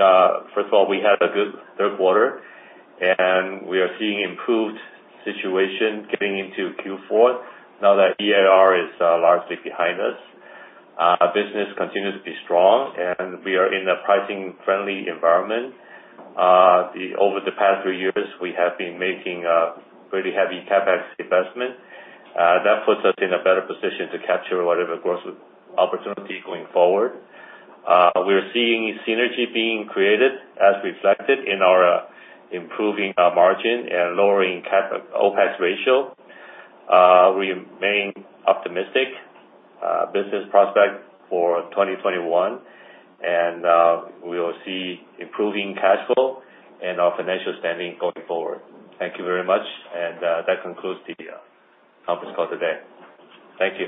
first of all, we had a good third quarter, and we are seeing improved situation getting into Q4 now that EAR is largely behind us. Business continues to be strong, and we are in a pricing-friendly environment. Over the past three years, we have been making pretty heavy CapEx investment. That puts us in a better position to capture whatever growth opportunity going forward. We're seeing synergy being created as reflected in our improving margin and lowering OpEx ratio. We remain optimistic. Business prospect for 2021, and we will see improving cash flow and our financial standing going forward. Thank you very much. That concludes the conference call today. Thank you.